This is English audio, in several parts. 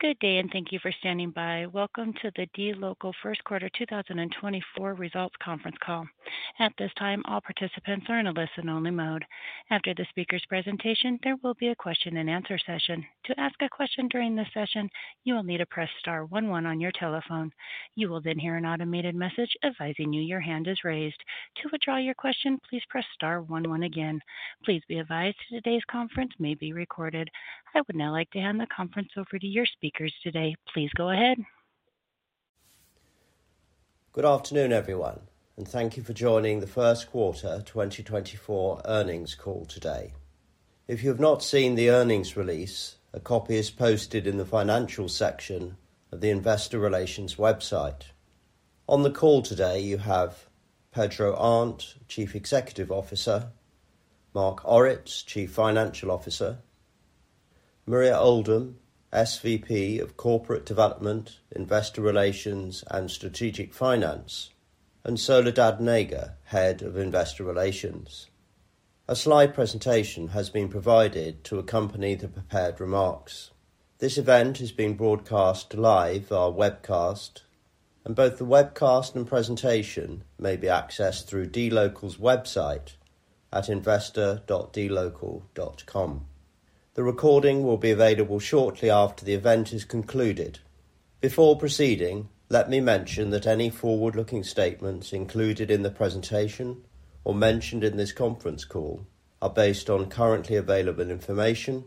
Good day and thank you for standing by. Welcome to the dLocal First Quarter 2024 results conference call. At this time, all participants are in a listen-only mode. After the speaker's presentation, there will be a question-and-answer session. To ask a question during this session, you will need to press star one one on your telephone. You will then hear an automated message advising you your hand is raised. To withdraw your question, please press star one one again. Please be advised today's conference may be recorded. I would now like to hand the conference over to your speakers today. Please go ahead. Good afternoon, everyone, and thank you for joining the First Quarter 2024 earnings call today. If you have not seen the earnings release, a copy is posted in the financial section of the investor relations website. On the call today, you have Pedro Arnt, Chief Executive Officer; Mark Ortiz, Chief Financial Officer; Maria Oldham, SVP of Corporate Development, Investor Relations, and Strategic Finance; and Soledad Nager, Head of Investor Relations. A slide presentation has been provided to accompany the prepared remarks. This event is being broadcast live, our webcast, and both the webcast and presentation may be accessed through dLocal's website at investor.dlocal.com. The recording will be available shortly after the event is concluded. Before proceeding, let me mention that any forward-looking statements included in the presentation or mentioned in this conference call are based on currently available information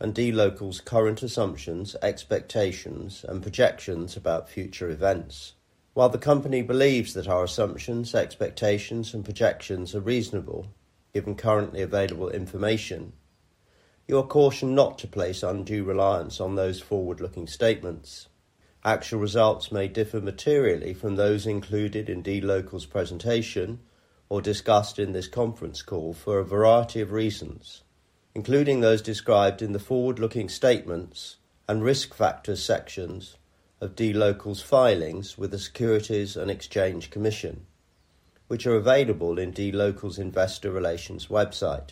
and dLocal's current assumptions, expectations, and projections about future events. While the company believes that our assumptions, expectations, and projections are reasonable given currently available information, you are cautioned not to place undue reliance on those forward-looking statements. Actual results may differ materially from those included in dLocal's presentation or discussed in this conference call for a variety of reasons, including those described in the forward-looking statements and risk factors sections of dLocal's filings with the Securities and Exchange Commission, which are available in dLocal's investor relations website.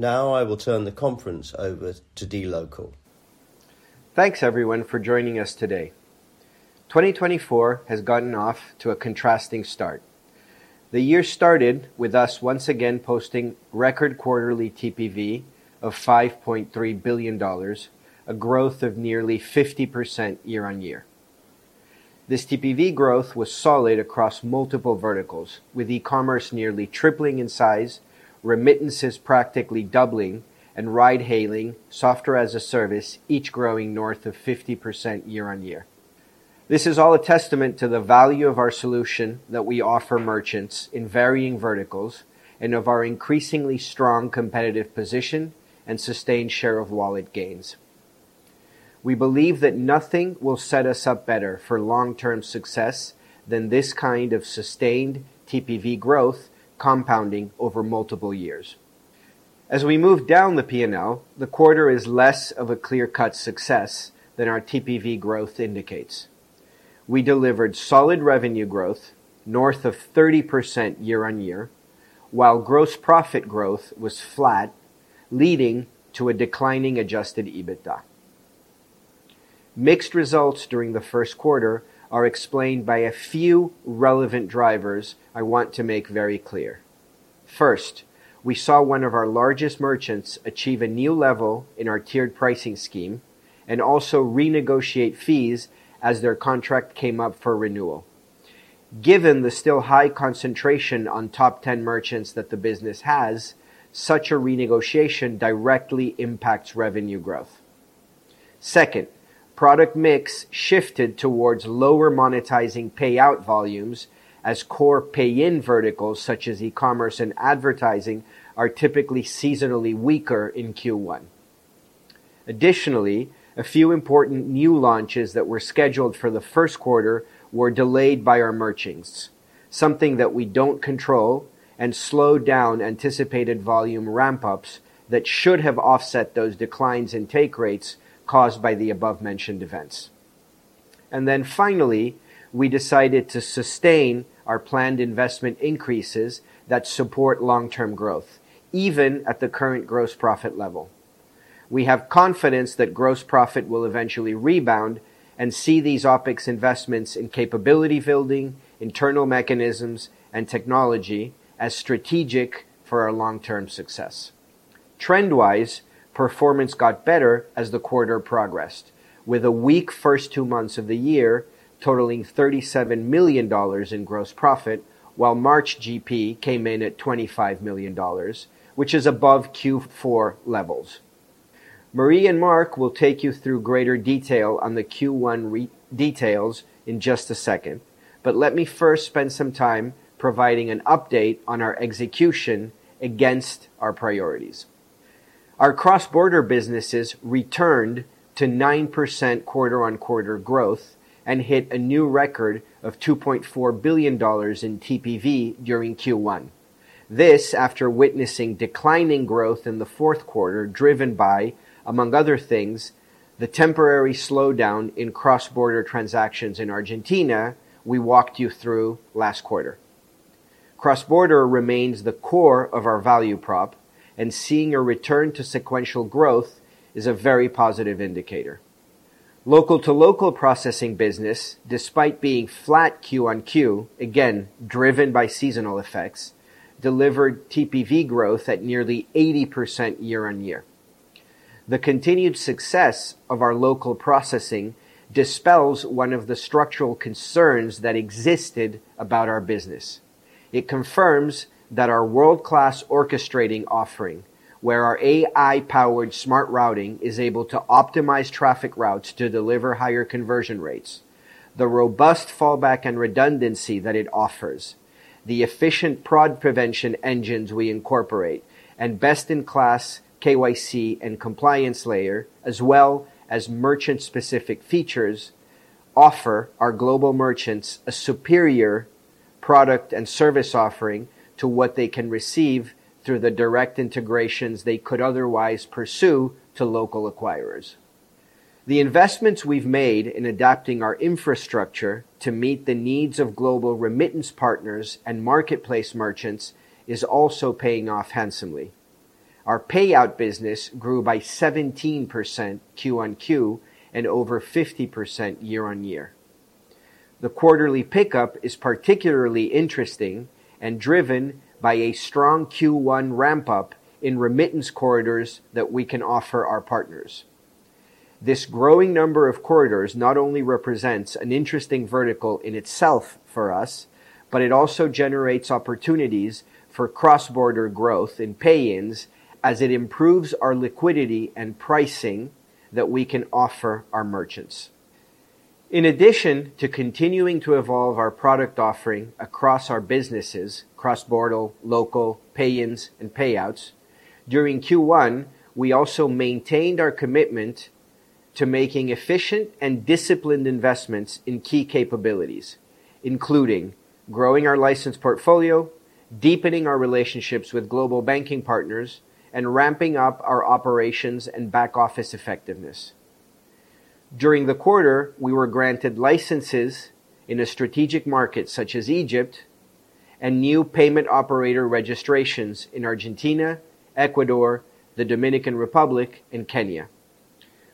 Now I will turn the conference over to dLocal. Thanks, everyone, for joining us today. 2024 has gotten off to a contrasting start. The year started with us once again posting record quarterly TPV of $5.3 billion, a growth of nearly 50% year-over-year. This TPV growth was solid across multiple verticals, with e-commerce nearly tripling in size, remittances practically doubling, and ride-hailing, software as a service, each growing north of 50% year-over-year. This is all a testament to the value of our solution that we offer merchants in varying verticals and of our increasingly strong competitive position and sustained share of wallet gains. We believe that nothing will set us up better for long-term success than this kind of sustained TPV growth compounding over multiple years. As we move down the P&L, the quarter is less of a clear-cut success than our TPV growth indicates. We delivered solid revenue growth north of 30% year-on-year, while gross profit growth was flat, leading to a declining Adjusted EBITDA. Mixed results during the first quarter are explained by a few relevant drivers I want to make very clear. First, we saw one of our largest merchants achieve a new level in our tiered pricing scheme and also renegotiate fees as their contract came up for renewal. Given the still high concentration on top 10 merchants that the business has, such a renegotiation directly impacts revenue growth. Second, product mix shifted towards lower monetizing payout volumes as core pay-in verticals such as e-commerce and advertising are typically seasonally weaker in Q1. Additionally, a few important new launches that were scheduled for the first quarter were delayed by our merchants, something that we don't control, and slowed down anticipated volume ramp-ups that should have offset those declines in take rates caused by the above-mentioned events. And then finally, we decided to sustain our planned investment increases that support long-term growth, even at the current gross profit level. We have confidence that gross profit will eventually rebound and see these OpEx investments in capability building, internal mechanisms, and technology as strategic for our long-term success. Trend-wise, performance got better as the quarter progressed, with a weak first two months of the year totaling $37 million in gross profit, while March GP came in at $25 million, which is above Q4 levels. Maria and Mark will take you through greater detail on the Q1 details in just a second, but let me first spend some time providing an update on our execution against our priorities. Our cross-border businesses returned to 9% quarter-on-quarter growth and hit a new record of $2.4 billion in TPV during Q1. This after witnessing declining growth in the fourth quarter driven by, among other things, the temporary slowdown in cross-border transactions in Argentina we walked you through last quarter. Cross-border remains the core of our value prop, and seeing a return to sequential growth is a very positive indicator. Local-to-local processing business, despite being flat Q-on-Q, again driven by seasonal effects, delivered TPV growth at nearly 80% year-over-year. The continued success of our local processing dispels one of the structural concerns that existed about our business. It confirms that our world-class orchestrating offering, where our AI-powered smart routing is able to optimize traffic routes to deliver higher conversion rates, the robust fallback and redundancy that it offers, the efficient fraud prevention engines we incorporate, and best-in-class KYC and compliance layer, as well as merchant-specific features, offer our global merchants a superior product and service offering to what they can receive through the direct integrations they could otherwise pursue to local acquirers. The investments we've made in adapting our infrastructure to meet the needs of global remittance partners and marketplace merchants are also paying off handsomely. Our payout business grew by 17% quarter-on-quarter and over 50% year-on-year. The quarterly pickup is particularly interesting and driven by a strong Q1 ramp-up in remittance corridors that we can offer our partners. This growing number of corridors not only represents an interesting vertical in itself for us, but it also generates opportunities for cross-border growth in pay-ins as it improves our liquidity and pricing that we can offer our merchants. In addition to continuing to evolve our product offering across our businesses - cross-border, local, pay-ins, and payouts - during Q1, we also maintained our commitment to making efficient and disciplined investments in key capabilities, including growing our license portfolio, deepening our relationships with global banking partners, and ramping up our operations and back-office effectiveness. During the quarter, we were granted licenses in a strategic market such as Egypt and new payment operator registrations in Argentina, Ecuador, the Dominican Republic, and Kenya.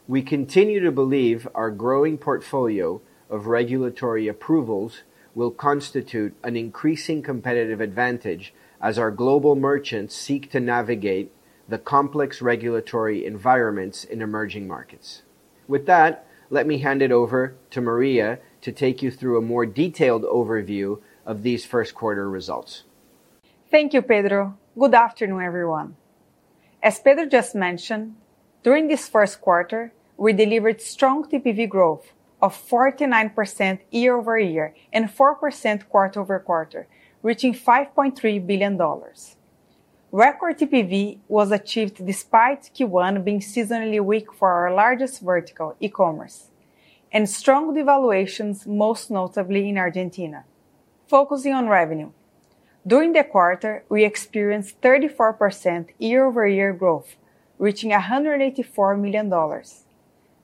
We continue to believe our growing portfolio of regulatory approvals will constitute an increasing competitive advantage as our global merchants seek to navigate the complex regulatory environments in emerging markets. With that, let me hand it over to Maria to take you through a more detailed overview of these first quarter results. Thank you, Pedro. Good afternoon, everyone. As Pedro just mentioned, during this first quarter, we delivered strong TPV growth of 49% year-over-year and 4% quarter-over-quarter, reaching $5.3 billion. Record TPV was achieved despite Q1 being seasonally weak for our largest vertical, e-commerce, and strong devaluations, most notably in Argentina. Focusing on revenue: during the quarter, we experienced 34% year-over-year growth, reaching $184 million.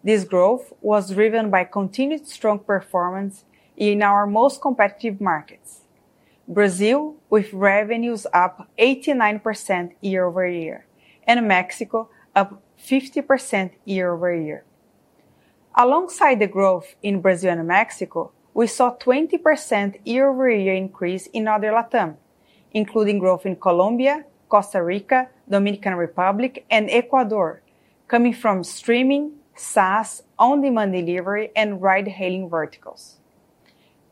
This growth was driven by continued strong performance in our most competitive markets: Brazil, with revenues up 89% year-over-year, and Mexico, up 50% year-over-year. Alongside the growth in Brazil and Mexico, we saw a 20% year-over-year increase in Other LatAm, including growth in Colombia, Costa Rica, the Dominican Republic, and Ecuador, coming from streaming, SaaS, on-demand delivery, and ride-hailing verticals.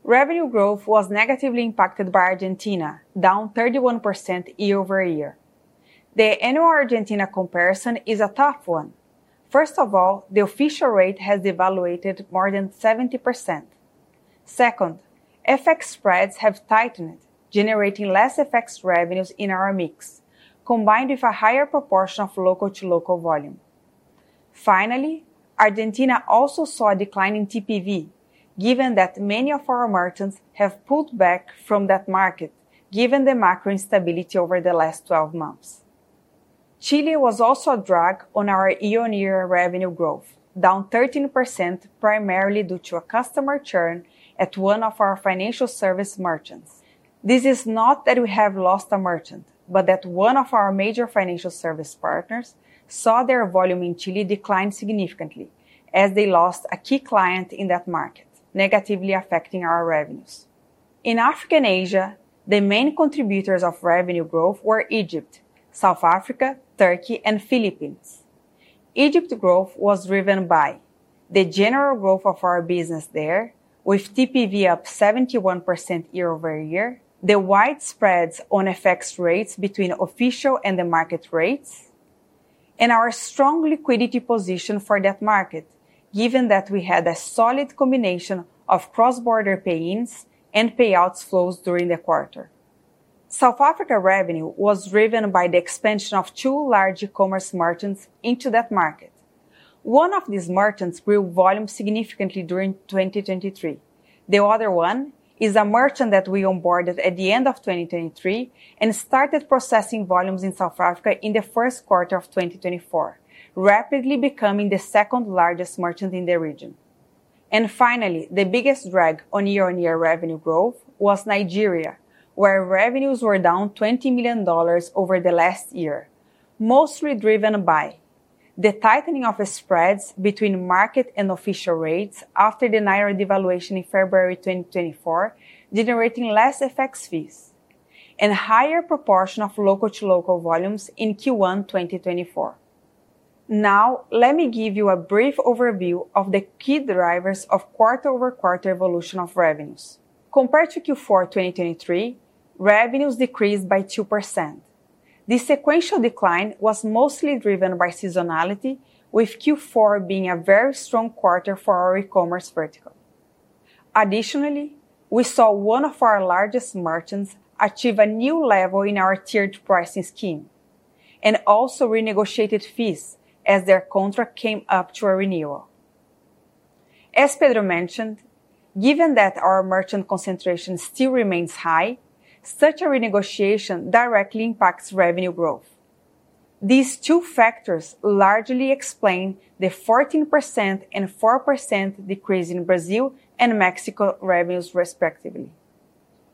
Revenue growth was negatively impacted by Argentina, down 31% year-over-year. The annual Argentina comparison is a tough one. First of all, the official rate has devalued more than 70%. Second, FX spreads have tightened, generating less FX revenues in our mix, combined with a higher proportion of local-to-local volume. Finally, Argentina also saw a decline in TPV, given that many of our merchants have pulled back from that market, given the macro instability over the last 12 months. Chile was also a drag on our year-over-year revenue growth, down 13% primarily due to a customer churn at one of our financial service merchants. This is not that we have lost a merchant, but that one of our major financial service partners saw their volume in Chile decline significantly as they lost a key client in that market, negatively affecting our revenues. In Africa and Asia, the main contributors of revenue growth were Egypt, South Africa, Turkey, and the Philippines. Egypt's growth was driven by the general growth of our business there, with TPV up 71% year-over-year, the wide spread in FX rates between official and the market rates, and our strong liquidity position for that market, given that we had a solid combination of cross-border pay-ins and payouts flows during the quarter. South Africa's revenue was driven by the expansion of two large e-commerce merchants into that market. One of these merchants grew volume significantly during 2023. The other one is a merchant that we onboarded at the end of 2023 and started processing volumes in South Africa in the first quarter of 2024, rapidly becoming the second-largest merchant in the region. Finally, the biggest drag on year-on-year revenue growth was Nigeria, where revenues were down $20 million over the last year, mostly driven by the tightening of spreads between market and official rates after the naira devaluation in February 2024, generating less FX fees, and a higher proportion of local-to-local volumes in Q1 2024. Now, let me give you a brief overview of the key drivers of quarter-over-quarter evolution of revenues. Compared to Q4 2023, revenues decreased by 2%. This sequential decline was mostly driven by seasonality, with Q4 being a very strong quarter for our e-commerce vertical. Additionally, we saw one of our largest merchants achieve a new level in our tiered pricing scheme and also renegotiate fees as their contract came up to a renewal. As Pedro mentioned, given that our merchant concentration still remains high, such a renegotiation directly impacts revenue growth. These two factors largely explain the 14% and 4% decrease in Brazil and Mexico revenues, respectively.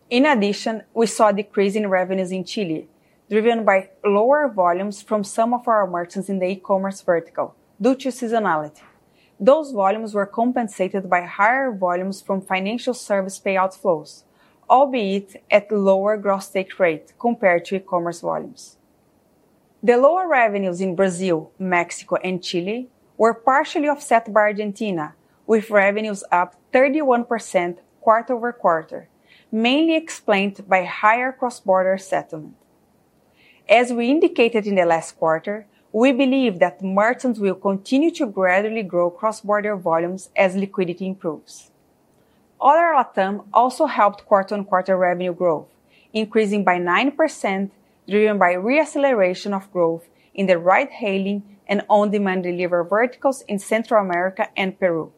In addition, we saw a decrease in revenues in Chile, driven by lower volumes from some of our merchants in the e-commerce vertical, due to seasonality. Those volumes were compensated by higher volumes from financial service payout flows, albeit at a lower gross take rate compared to e-commerce volumes. The lower revenues in Brazil, Mexico, and Chile were partially offset by Argentina, with revenues up 31% quarter-over-quarter, mainly explained by higher cross-border settlement. As we indicated in the last quarter, we believe that merchants will continue to gradually grow cross-border volumes as liquidity improves. Other LatAm also helped quarter-over-quarter revenue growth, increasing by 9%, driven by re-acceleration of growth in the ride-hailing and on-demand delivery verticals in Central America and Peru.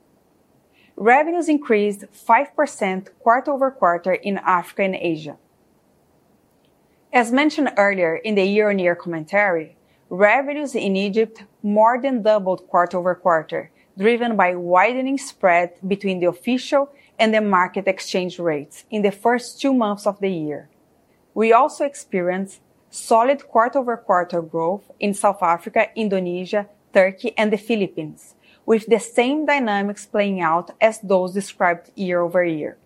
Revenues increased 5% quarter-over-quarter in Africa and Asia. As mentioned earlier in the year-over-year commentary, revenues in Egypt more than doubled quarter-over-quarter, driven by a widening spread between the official and the market exchange rates in the first two months of the year. We also experienced solid quarter-over-quarter growth in South Africa, Indonesia, Turkey, and the Philippines, with the same dynamics playing out as those described year-over-year.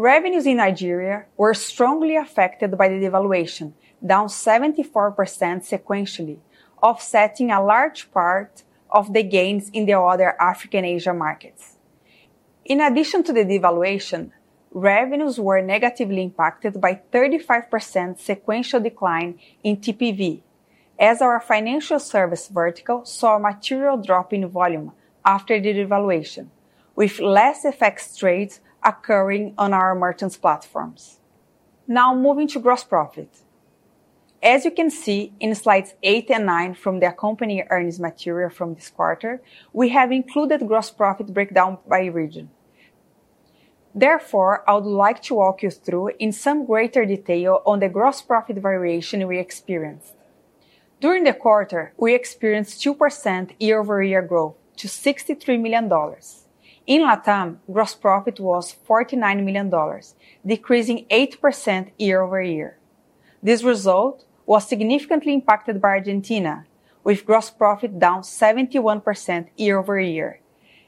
Revenues in Nigeria were strongly affected by the devaluation, down 74% sequentially, offsetting a large part of the gains in the Other Africa and Asia markets. In addition to the devaluation, revenues were negatively impacted by a 35% sequential decline in TPV, as our financial service vertical saw a material drop in volume after the devaluation, with less FX trades occurring on our merchants' platforms. Now, moving to gross profit. As you can see in Slides 8 and 9 from the accompanying earnings material from this quarter, we have included gross profit breakdown by region. Therefore, I would like to walk you through in some greater detail the gross profit variation we experienced. During the quarter, we experienced 2% year-over-year growth, to $63 million. In LatAm, gross profit was $49 million, decreasing 8% year-over-year. This result was significantly impacted by Argentina, with gross profit down 71% year-over-year,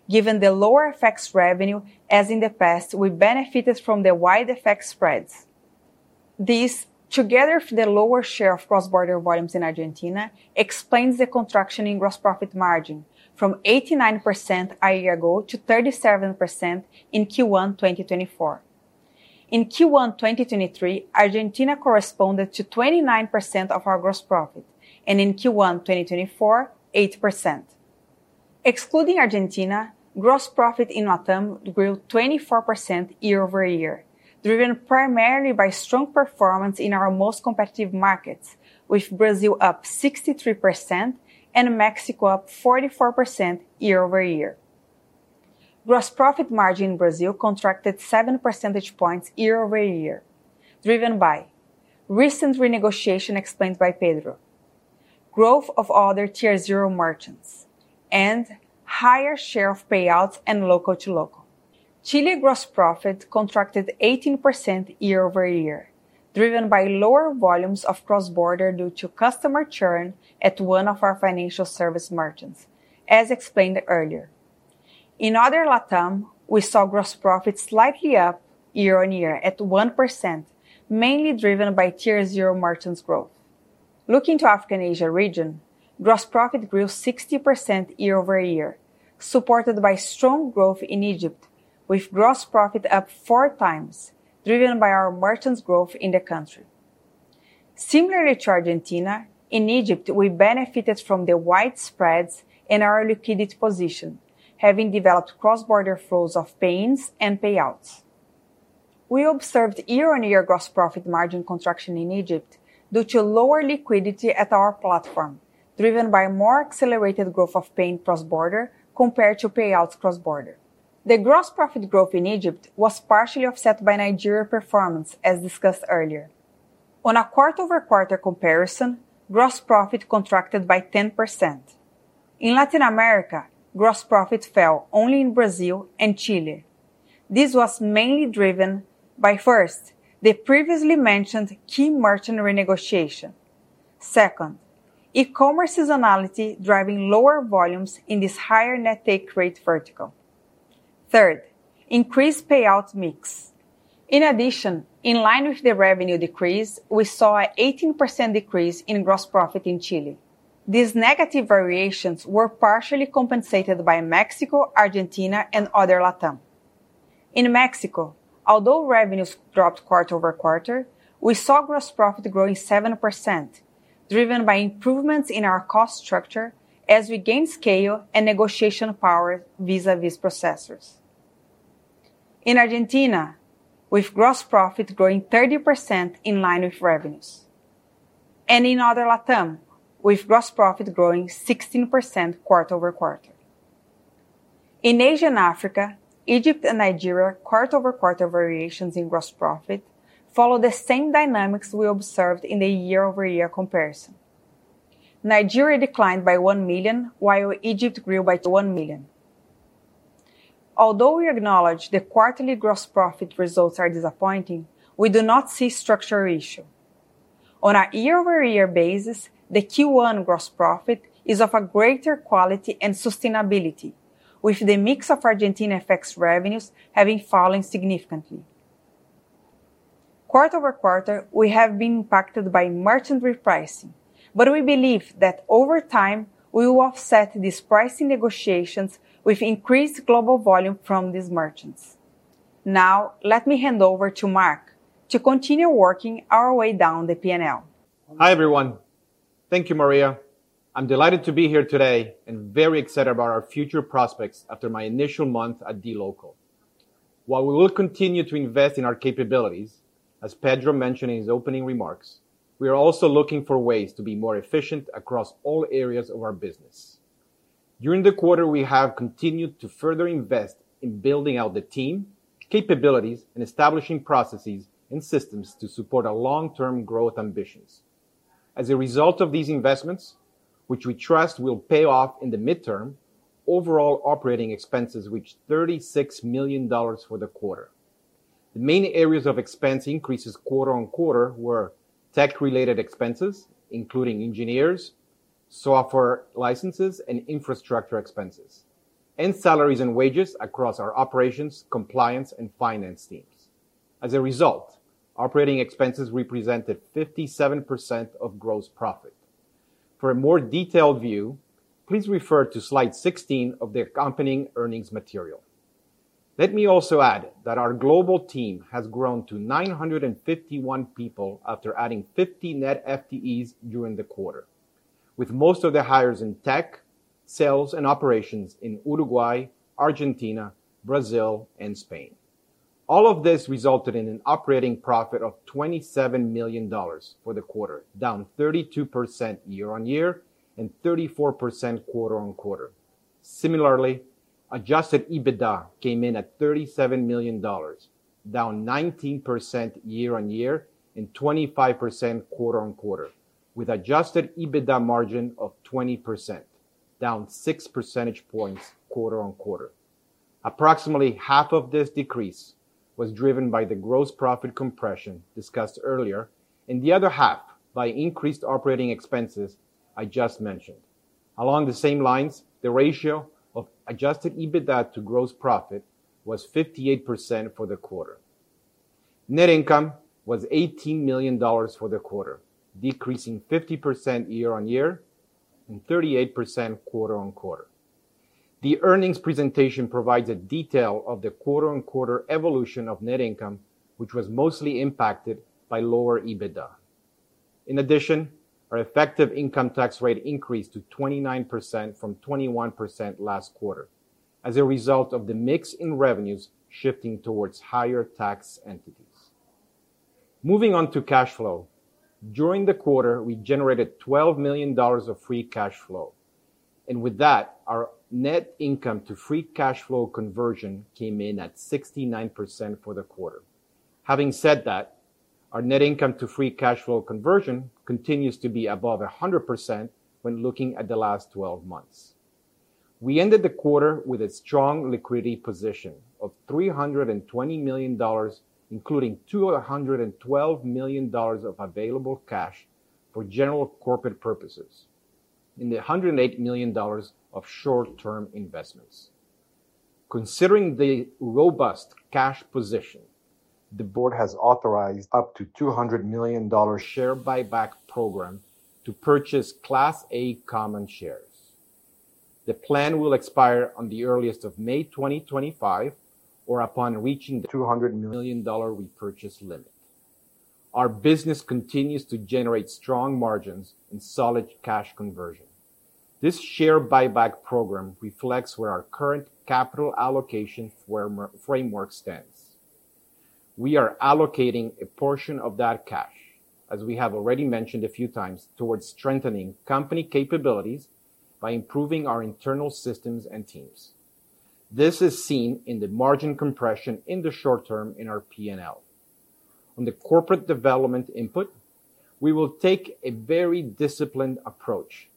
given the lower FX revenue as in the past we benefited from the wide FX spreads. This, together with the lower share of cross-border volumes in Argentina, explains the contraction in gross profit margin, from 89% a year ago to 37% in Q1 2024. In Q1 2023, Argentina corresponded to 29% of our gross profit, and in Q1 2024, 8%. Excluding Argentina, gross profit in LatAm grew 24% year-over-year, driven primarily by strong performance in our most competitive markets, with Brazil up 63% and Mexico up 44% year-over-year. Gross profit margin in Brazil contracted 7 percentage points year-over-year, driven by recent renegotiation explained by Pedro, growth of other Tier 0 merchants, and higher share of payouts and local-to-local. Chile's gross profit contracted 18% year-over-year, driven by lower volumes of cross-border due to customer churn at one of our financial service merchants, as explained earlier. In Other LatAm, we saw gross profit slightly up year-over-year at 1%, mainly driven by Tier 0 merchants' growth. Looking to the Africa and Asia region, gross profit grew 60% year-over-year, supported by strong growth in Egypt, with gross profit up 4x, driven by our merchants' growth in the country. Similarly to Argentina, in Egypt we benefited from the wide spreads in our liquidity position, having developed cross-border flows of pay-ins and payouts. We observed year-on-year gross profit margin contraction in Egypt due to lower liquidity at our platform, driven by more accelerated growth of pay-ins cross-border compared to payouts cross-border. The gross profit growth in Egypt was partially offset by Nigeria's performance, as discussed earlier. On a quarter-over-quarter comparison, gross profit contracted by 10%. In Latin America, gross profit fell only in Brazil and Chile. This was mainly driven by: first, the previously mentioned key merchant renegotiation. Second, e-commerce seasonality driving lower volumes in this higher net take rate vertical. Third, increased payout mix. In addition, in line with the revenue decrease, we saw an 18% decrease in gross profit in Chile. These negative variations were partially compensated by Mexico, Argentina, and Other LatAm. In Mexico, although revenues dropped quarter-over-quarter, we saw gross profit growing 7%, driven by improvements in our cost structure as we gained scale and negotiation power vis-à-vis processors. In Argentina, with gross profit growing 30% in line with revenues, and in Other LatAm, with gross profit growing 16% quarter-over-quarter. In Asia and Africa, Egypt and Nigeria's quarter-over-quarter variations in gross profit followed the same dynamics we observed in the year-over-year comparison: Nigeria declined by $1 million, while Egypt grew by $1 million. Although we acknowledge the quarterly gross profit results are disappointing, we do not see a structural issue. On a year-over-year basis, the Q1 gross profit is of a greater quality and sustainability, with the mix of Argentina FX revenues having fallen significantly. quarter-over-quarter, we have been impacted by merchant repricing, but we believe that over time we will offset these pricing negotiations with increased global volume from these merchants. Now, let me hand over to Mark to continue working our way down the P&L. Hi everyone. Thank you, Maria. I'm delighted to be here today and very excited about our future prospects after my initial month at dLocal. While we will continue to invest in our capabilities, as Pedro mentioned in his opening remarks, we are also looking for ways to be more efficient across all areas of our business. During the quarter, we have continued to further invest in building out the team, capabilities, and establishing processes and systems to support our long-term growth ambitions. As a result of these investments, which we trust will pay off in the midterm, overall operating expenses reached $36 million for the quarter. The main areas of expense increases quarter-over-quarter were: tech-related expenses, including engineers, software licenses, and infrastructure expenses, and salaries and wages across our operations, compliance, and finance teams. As a result, operating expenses represented 57% of gross profit. For a more detailed view, please refer to Slide 16 of the accompanying earnings material. Let me also add that our global team has grown to 951 people after adding 50 net FTEs during the quarter, with most of the hires in tech, sales, and operations in Uruguay, Argentina, Brazil, and Spain. All of this resulted in an operating profit of $27 million for the quarter, down 32% year-over-year and 34% quarter-over-quarter. Similarly, Adjusted EBITDA came in at $37 million, down 19% year-over-year and 25% quarter-over-quarter, with an Adjusted EBITDA margin of 20%, down 6 percentage points quarter-over-quarter. Approximately half of this decrease was driven by the gross profit compression discussed earlier, and the other half by increased operating expenses I just mentioned. Along the same lines, the ratio of Adjusted EBITDA to gross profit was 58% for the quarter. Net income was $18 million for the quarter, decreasing 50% year-on-year and 38% quarter-on-quarter. The earnings presentation provides a detail of the quarter-on-quarter evolution of net income, which was mostly impacted by lower EBITDA. In addition, our effective income tax rate increased to 29% from 21% last quarter, as a result of the mix in revenues shifting towards higher tax entities. Moving on to cash flow: during the quarter, we generated $12 million of free cash flow, and with that, our net income-to-free cash flow conversion came in at 69% for the quarter. Having said that, our net income-to-free cash flow conversion continues to be above 100% when looking at the last 12 months. We ended the quarter with a strong liquidity position of $320 million, including $212 million of available cash for general corporate purposes and $108 million of short-term investments. Considering the robust cash position, the Board has authorized up to $200 million share buyback program to purchase Class A common shares. The plan will expire on the earliest of May 2025 or upon reaching the $200 million repurchase limit. Our business continues to generate strong margins and solid cash conversion. This share buyback program reflects where our current capital allocation framework stands. We are allocating a portion of that cash, as we have already mentioned a few times, towards strengthening company capabilities by improving our internal systems and teams. This is seen in the margin compression in the short term in our P&L. On the corporate development input, we will take a very disciplined approach,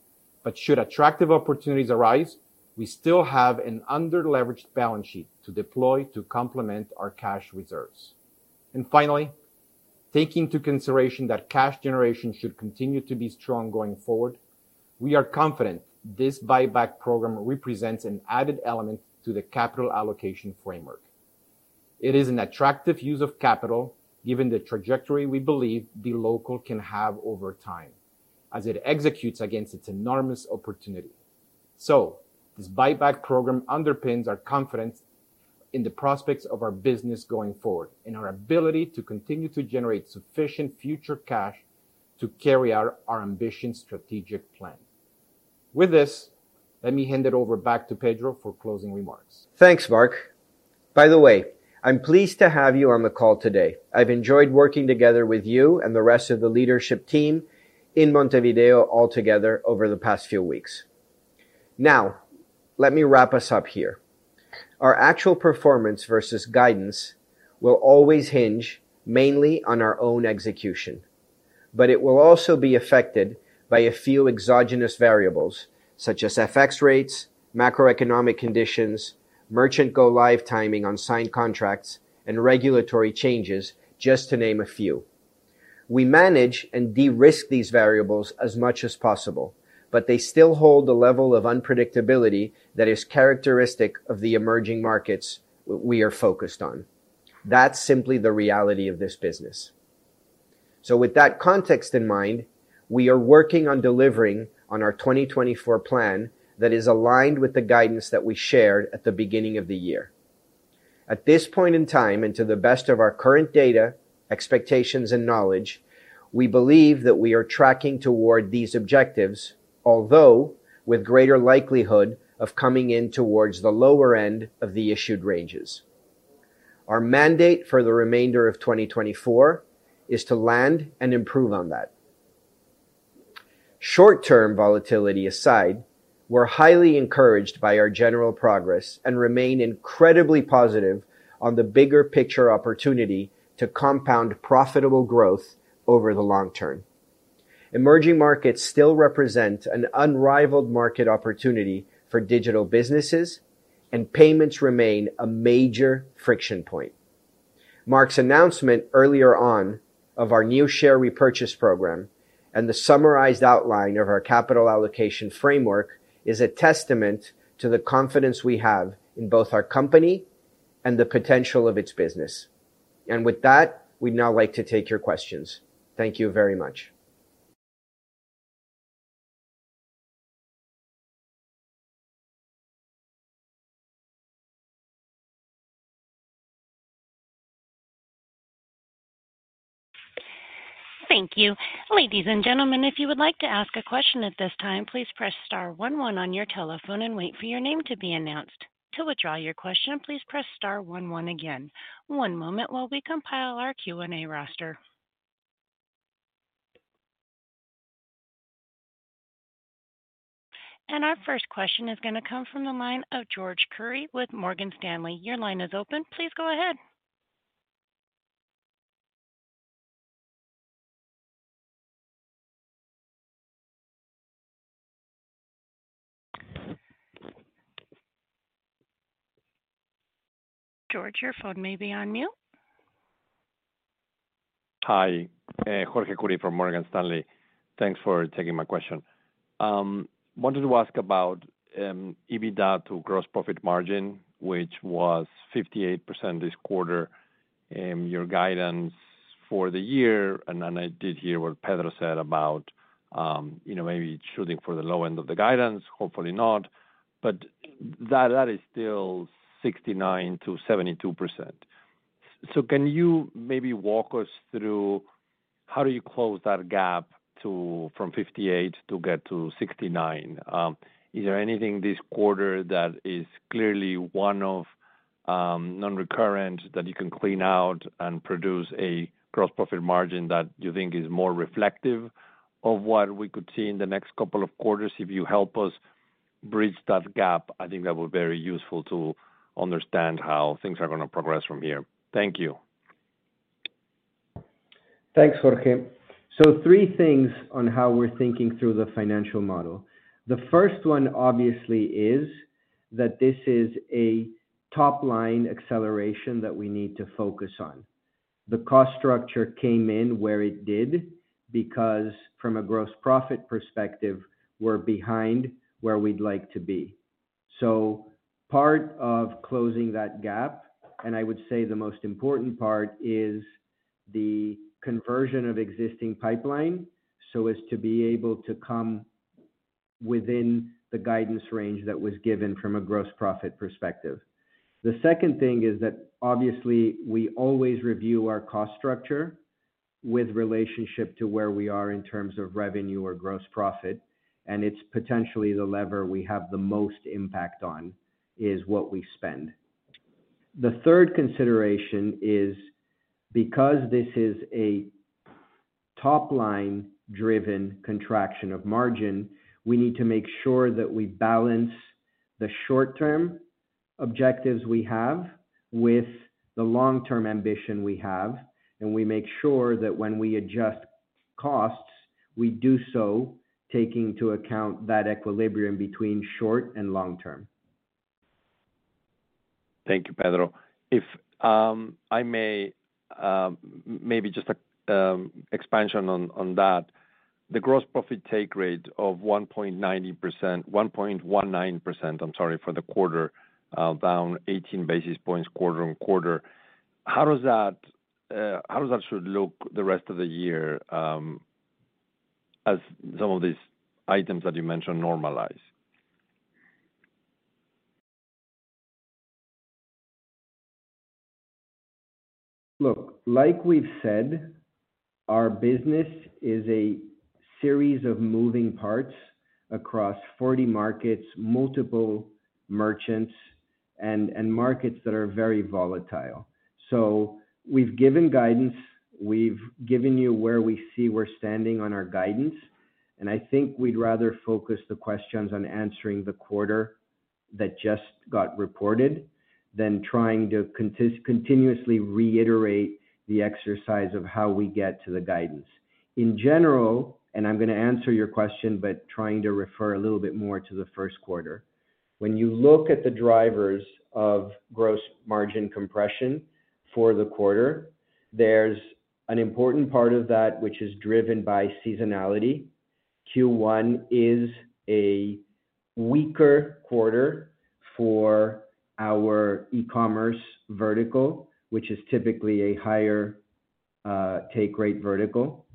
but should attractive opportunities arise, we still have an under-leveraged balance sheet to deploy to complement our cash reserves. Finally, taking into consideration that cash generation should continue to be strong going forward, we are confident this buyback program represents an added element to the capital allocation framework. It is an attractive use of capital, given the trajectory we believe dLocal can have over time, as it executes against its enormous opportunity. This buyback program underpins our confidence in the prospects of our business going forward and our ability to continue to generate sufficient future cash to carry out our ambitious strategic plan. With this, let me hand it over back to Pedro for closing remarks. Thanks, Mark. By the way, I'm pleased to have you on the call today. I've enjoyed working together with you and the rest of the leadership team in Montevideo altogether over the past few weeks. Now, let me wrap us up here. Our actual performance versus guidance will always hinge mainly on our own execution, but it will also be affected by a few exogenous variables such as FX rates, macroeconomic conditions, merchant go-live timing on signed contracts, and regulatory changes, just to name a few. We manage and de-risk these variables as much as possible, but they still hold the level of unpredictability that is characteristic of the emerging markets we are focused on. That's simply the reality of this business. So, with that context in mind, we are working on delivering on our 2024 plan that is aligned with the guidance that we shared at the beginning of the year. At this point in time, and to the best of our current data, expectations, and knowledge, we believe that we are tracking toward these objectives, although with greater likelihood of coming in towards the lower end of the issued ranges. Our mandate for the remainder of 2024 is to land and improve on that. Short-term volatility aside, we're highly encouraged by our general progress and remain incredibly positive on the bigger picture opportunity to compound profitable growth over the long term. Emerging markets still represent an unrivaled market opportunity for digital businesses, and payments remain a major friction point. Mark's announcement earlier on of our new share repurchase program and the summarized outline of our capital allocation framework is a testament to the confidence we have in both our company and the potential of its business. And with that, we'd now like to take your questions. Thank you very much. Thank you. Ladies and gentlemen, if you would like to ask a question at this time, please press star one one on your telephone and wait for your name to be announced. To withdraw your question, please press star one one again. One moment while we compile our Q&A roster. Our first question is going to come from the line of Jorge Kuri with Morgan Stanley. Your line is open. Please go ahead. Jorge, your phone may be on mute. Hi, Jorge Kuri from Morgan Stanley. Thanks for taking my question. Wanted to ask about EBITDA to gross profit margin, which was 58% this quarter, your guidance for the year, and I did hear what Pedro said about maybe shooting for the low end of the guidance, hopefully not, but that is still 69%-72%. So can you maybe walk us through how do you close that gap from 58% to get to 69%? Is there anything this quarter that is clearly one of non-recurring that you can clean out and produce a gross profit margin that you think is more reflective of what we could see in the next couple of quarters? If you help us bridge that gap, I think that would be very useful to understand how things are going to progress from here. Thank you. Thanks, Jorge. So three things on how we're thinking through the financial model. The first one, obviously, is that this is a top-line acceleration that we need to focus on. The cost structure came in where it did because, from a gross profit perspective, we're behind where we'd like to be. So part of closing that gap, and I would say the most important part, is the conversion of existing pipeline so as to be able to come within the guidance range that was given from a gross profit perspective. The second thing is that, obviously, we always review our cost structure with relationship to where we are in terms of revenue or gross profit, and it's potentially the lever we have the most impact on is what we spend. The third consideration is, because this is a top-line-driven contraction of margin, we need to make sure that we balance the short-term objectives we have with the long-term ambition we have, and we make sure that when we adjust costs, we do so taking into account that equilibrium between short and long term. Thank you, Pedro. If I may, maybe just an expansion on that, the gross profit take rate of 1.90%, 1.19%, I'm sorry, for the quarter, down 18 basis points quarter-over-quarter, how does that should look the rest of the year as some of these items that you mentioned normalize? Look, like we've said, our business is a series of moving parts across 40 markets, multiple merchants, and markets that are very volatile. So we've given guidance. We've given you where we see we're standing on our guidance. And I think we'd rather focus the questions on answering the quarter that just got reported than trying to continuously reiterate the exercise of how we get to the guidance. In general, and I'm going to answer your question, but trying to refer a little bit more to the first quarter, when you look at the drivers of gross margin compression for the quarter, there's an important part of that which is driven by seasonality. Q1 is a weaker quarter for our e-commerce vertical, which is typically a higher take rate vertical,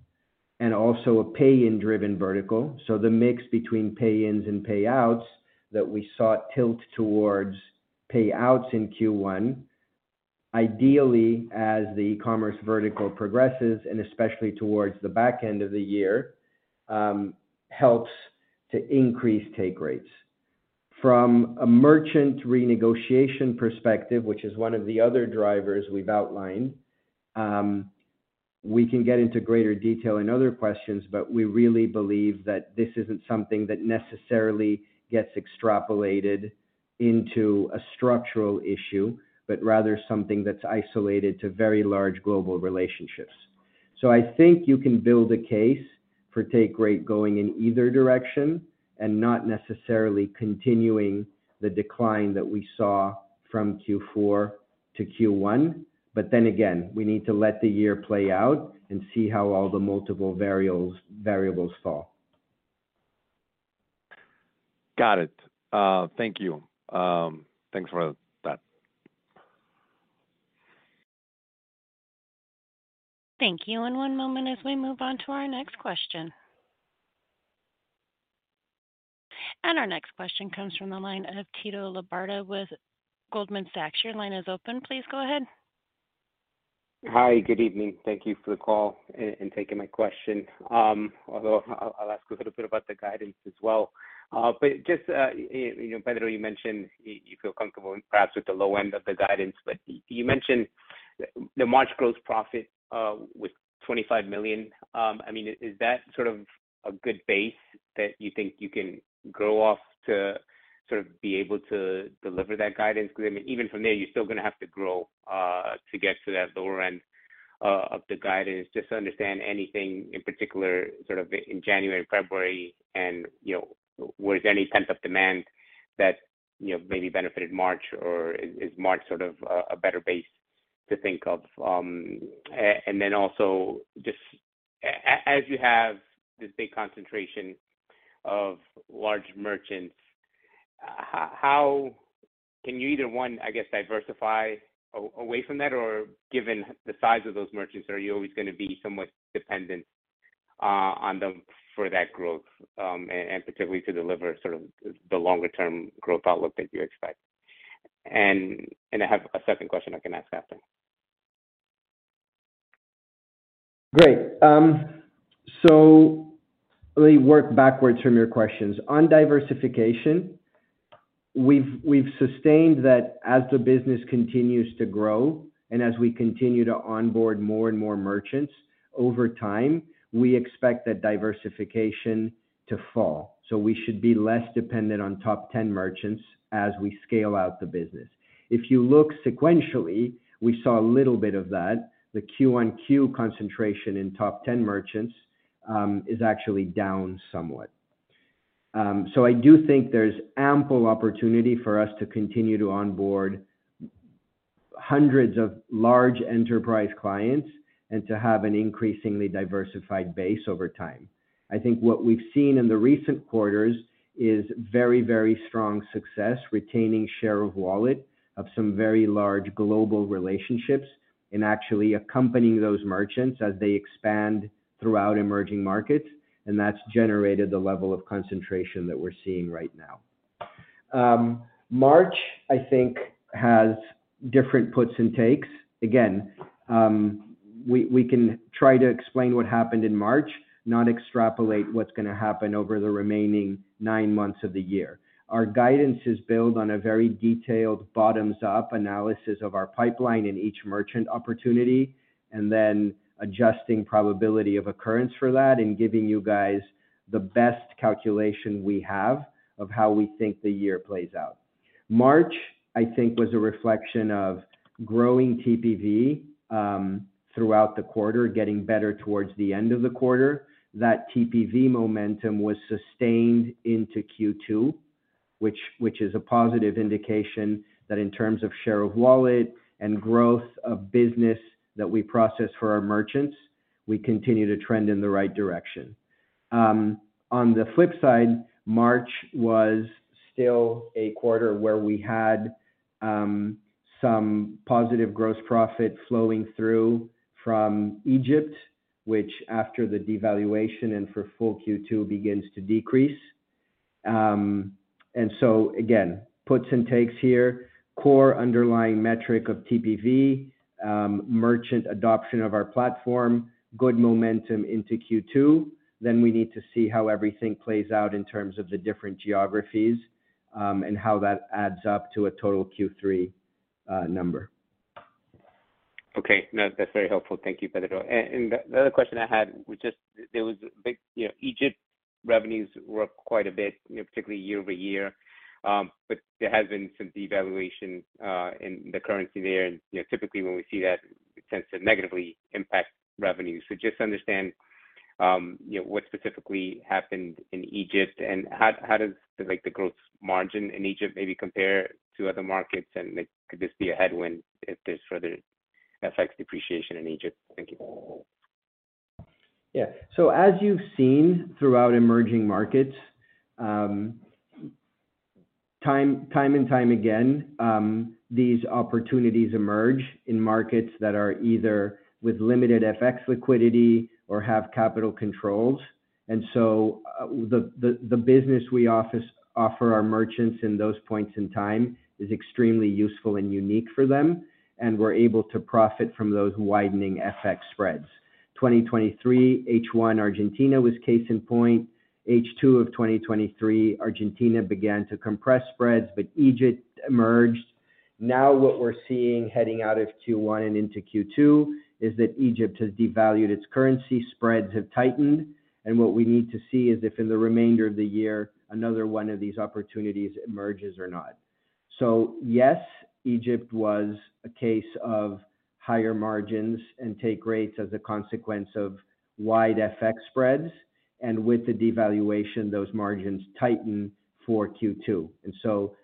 and also a pay-in-driven vertical. So the mix between pay-ins and payouts that we sought tilt towards payouts in Q1, ideally as the e-commerce vertical progresses, and especially towards the back end of the year, helps to increase take rates. From a merchant renegotiation perspective, which is one of the other drivers we've outlined, we can get into greater detail in other questions, but we really believe that this isn't something that necessarily gets extrapolated into a structural issue, but rather something that's isolated to very large global relationships. So I think you can build a case for take rate going in either direction and not necessarily continuing the decline that we saw from Q4-Q1, but then again, we need to let the year play out and see how all the multiple variables fall. Got it. Thank you. Thanks for that. Thank you. And one moment as we move on to our next question. And our next question comes from the line of Tito Labarta with Goldman Sachs. Your line is open. Please go ahead. Hi, good evening. Thank you for the call and taking my question, although I'll ask a little bit about the guidance as well. But just, Pedro, you mentioned you feel comfortable perhaps with the low end of the guidance, but you mentioned the March gross profit with $25 million. I mean, is that sort of a good base that you think you can grow off to sort of be able to deliver that guidance? Because I mean, even from there, you're still going to have to grow to get to that lower end of the guidance. Just to understand anything in particular, sort of in January, February, and where's any pent-up demand that maybe benefited March, or is March sort of a better base to think of? And then also, just as you have this big concentration of large merchants, can you either, one, I guess, diversify away from that, or given the size of those merchants, are you always going to be somewhat dependent on them for that growth, and particularly to deliver sort of the longer-term growth outlook that you expect? And I have a second question I can ask after. Great. So let me work backwards from your questions. On diversification, we've sustained that as the business continues to grow and as we continue to onboard more and more merchants over time, we expect that diversification to fall. So we should be less dependent on top 10 merchants as we scale out the business. If you look sequentially, we saw a little bit of that. The Q-on-Q concentration in top 10 merchants is actually down somewhat. So I do think there's ample opportunity for us to continue to onboard hundreds of large enterprise clients and to have an increasingly diversified base over time. I think what we've seen in the recent quarters is very, very strong success retaining share of wallet of some very large global relationships and actually accompanying those merchants as they expand throughout emerging markets. That's generated the level of concentration that we're seeing right now. March, I think, has different puts and takes. Again, we can try to explain what happened in March, not extrapolate what's going to happen over the remaining nine months of the year. Our guidance is built on a very detailed bottoms-up analysis of our pipeline and each merchant opportunity, and then adjusting probability of occurrence for that and giving you guys the best calculation we have of how we think the year plays out. March, I think, was a reflection of growing TPV throughout the quarter, getting better towards the end of the quarter. That TPV momentum was sustained into Q2, which is a positive indication that in terms of share of wallet and growth of business that we process for our merchants, we continue to trend in the right direction. On the flip side, March was still a quarter where we had some positive gross profit flowing through from Egypt, which after the devaluation and for full Q2 begins to decrease. And so again, puts and takes here, core underlying metric of TPV, merchant adoption of our platform, good momentum into Q2. Then we need to see how everything plays out in terms of the different geographies and how that adds up to a total Q3 number. Okay. No, that's very helpful. Thank you, Pedro. And the other question I had was just there was a big Egypt revenues were up quite a bit, particularly year-over-year, but there has been some devaluation in the currency there. And typically, when we see that, it tends to negatively impact revenues. So just to understand what specifically happened in Egypt and how does the growth margin in Egypt maybe compare to other markets, and could this be a headwind if this further affects depreciation in Egypt? Thank you. Yeah. So as you've seen throughout emerging markets, time and time again, these opportunities emerge in markets that are either with limited FX liquidity or have capital controls. And so the business we offer our merchants in those points in time is extremely useful and unique for them, and we're able to profit from those widening FX spreads. 2023, H1 Argentina was case in point. H2 of 2023, Argentina began to compress spreads, but Egypt emerged. Now what we're seeing heading out of Q1 and into Q2 is that Egypt has devalued its currency, spreads have tightened, and what we need to see is if in the remainder of the year, another one of these opportunities emerges or not. So yes, Egypt was a case of higher margins and take rates as a consequence of wide FX spreads. And with the devaluation, those margins tighten for Q2. And so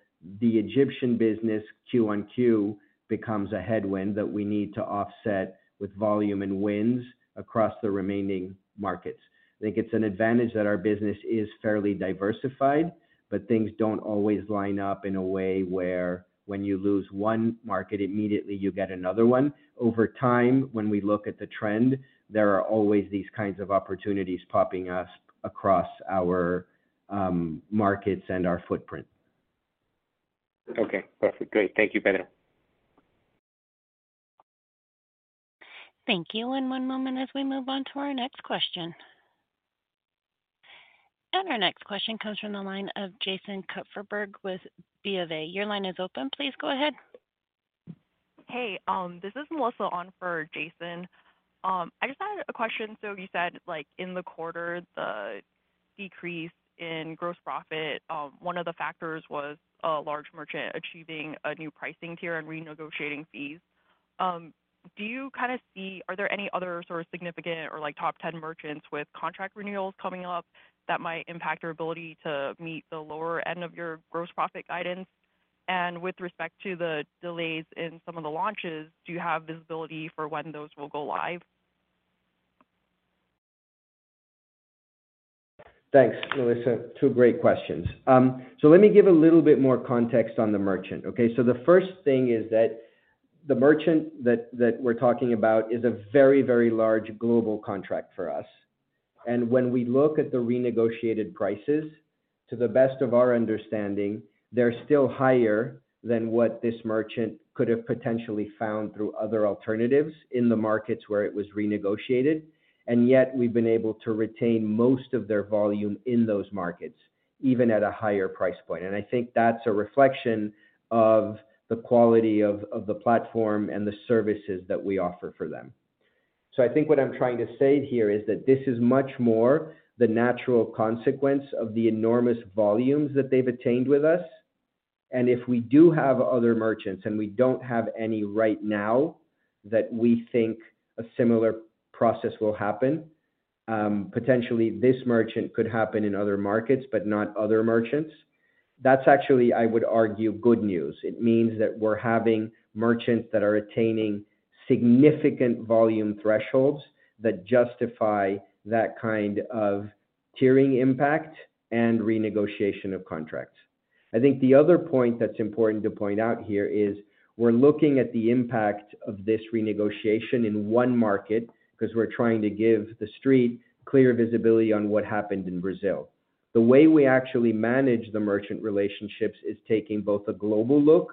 the Egyptian business, Q1 Q-on-Q, becomes a headwind that we need to offset with volume and wins across the remaining markets. I think it's an advantage that our business is fairly diversified, but things don't always line up in a way where when you lose one market, immediately you get another one. Over time, when we look at the trend, there are always these kinds of opportunities popping up across our markets and our footprint. Okay. Perfect. Great. Thank you, Pedro. Thank you. And one moment as we move on to our next question. And our next question comes from the line of Jason Kupferberg with BofA. Your line is open. Please go ahead. Hey. This is Melissa Chen for Jason. I just had a question. So you said in the quarter, the decrease in gross profit, one of the factors was a large merchant achieving a new pricing tier and renegotiating fees. Do you kind of see are there any other sort of significant or top 10 merchants with contract renewals coming up that might impact your ability to meet the lower end of your gross profit guidance? With respect to the delays in some of the launches, do you have visibility for when those will go live? Thanks, Melissa. Two great questions. Let me give a little bit more context on the merchant. Okay? The first thing is that the merchant that we're talking about is a very, very large global contract for us. And when we look at the renegotiated prices, to the best of our understanding, they're still higher than what this merchant could have potentially found through other alternatives in the markets where it was renegotiated. And yet, we've been able to retain most of their volume in those markets, even at a higher price point. And I think that's a reflection of the quality of the platform and the services that we offer for them. So I think what I'm trying to say here is that this is much more the natural consequence of the enormous volumes that they've attained with us. And if we do have other merchants and we don't have any right now that we think a similar process will happen, potentially this merchant could happen in other markets, but not other merchants, that's actually, I would argue, good news. It means that we're having merchants that are attaining significant volume thresholds that justify that kind of tiering impact and renegotiation of contracts. I think the other point that's important to point out here is we're looking at the impact of this renegotiation in one market because we're trying to give the street clear visibility on what happened in Brazil. The way we actually manage the merchant relationships is taking both a global look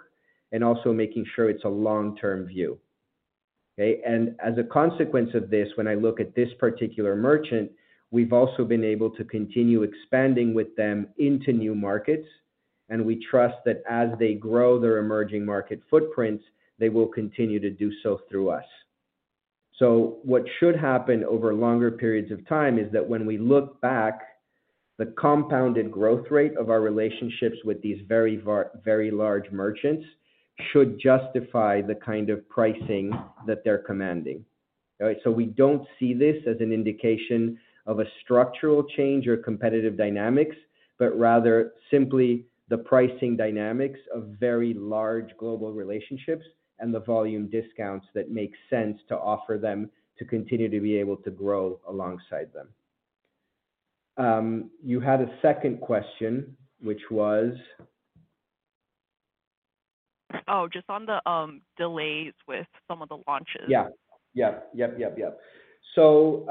and also making sure it's a long-term view. Okay? And as a consequence of this, when I look at this particular merchant, we've also been able to continue expanding with them into new markets. And we trust that as they grow their emerging market footprints, they will continue to do so through us. So what should happen over longer periods of time is that when we look back, the compounded growth rate of our relationships with these very, very large merchants should justify the kind of pricing that they're commanding. All right? So we don't see this as an indication of a structural change or competitive dynamics, but rather simply the pricing dynamics of very large global relationships and the volume discounts that make sense to offer them to continue to be able to grow alongside them. You had a second question, which was. Oh, just on the delays with some of the launches. Yeah. Yep. Yep. So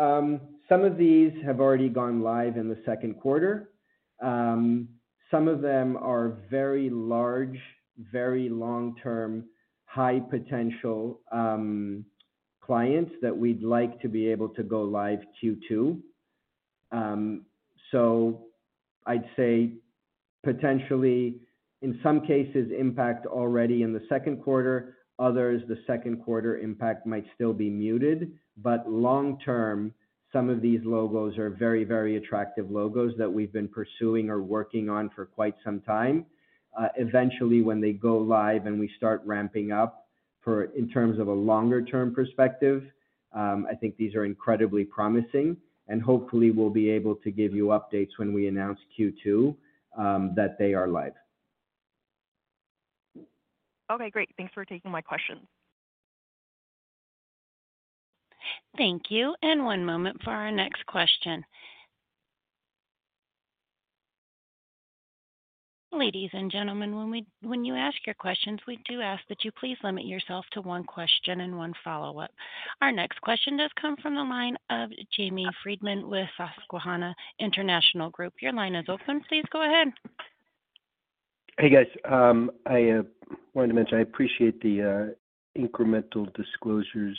some of these have already gone live in the second quarter. Some of them are very large, very long-term, high-potential clients that we'd like to be able to go live Q2. So I'd say potentially, in some cases, impact already in the second quarter. Others, the second quarter impact might still be muted. But long-term, some of these logos are very, very attractive logos that we've been pursuing or working on for quite some time. Eventually, when they go live and we start ramping up in terms of a longer-term perspective, I think these are incredibly promising. And hopefully, we'll be able to give you updates when we announce Q2 that they are live. Okay. Great. Thanks for taking my questions. Thank you. And one moment for our next question. Ladies and gentlemen, when you ask your questions, we do ask that you please limit yourself to one question and one follow-up. Our next question does come from the line of Jamie Friedman with Susquehanna International Group. Your line is open. Please go ahead. Hey, guys. I wanted to mention I appreciate the incremental disclosures,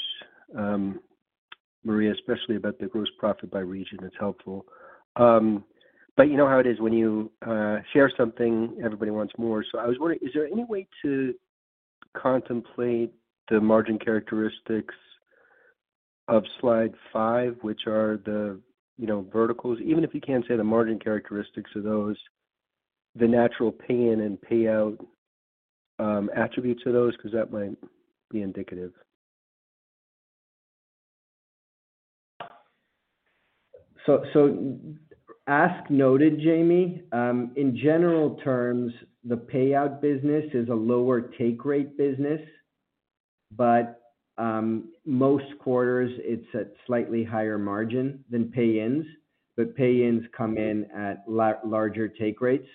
Maria, especially about the gross profit by region. It's helpful. But you know how it is when you share something, everybody wants more. So I was wondering, is there any way to contemplate the margin characteristics of Slide 5, which are the verticals? Even if you can't say the margin characteristics of those, the natural pay-in and pay-out attributes of those, because that might be indicative. So as noted, Jamie. In general terms, the payout business is a lower take-rate business. But most quarters, it's at slightly higher margin than pay-ins. But pay-ins come in at larger take rates.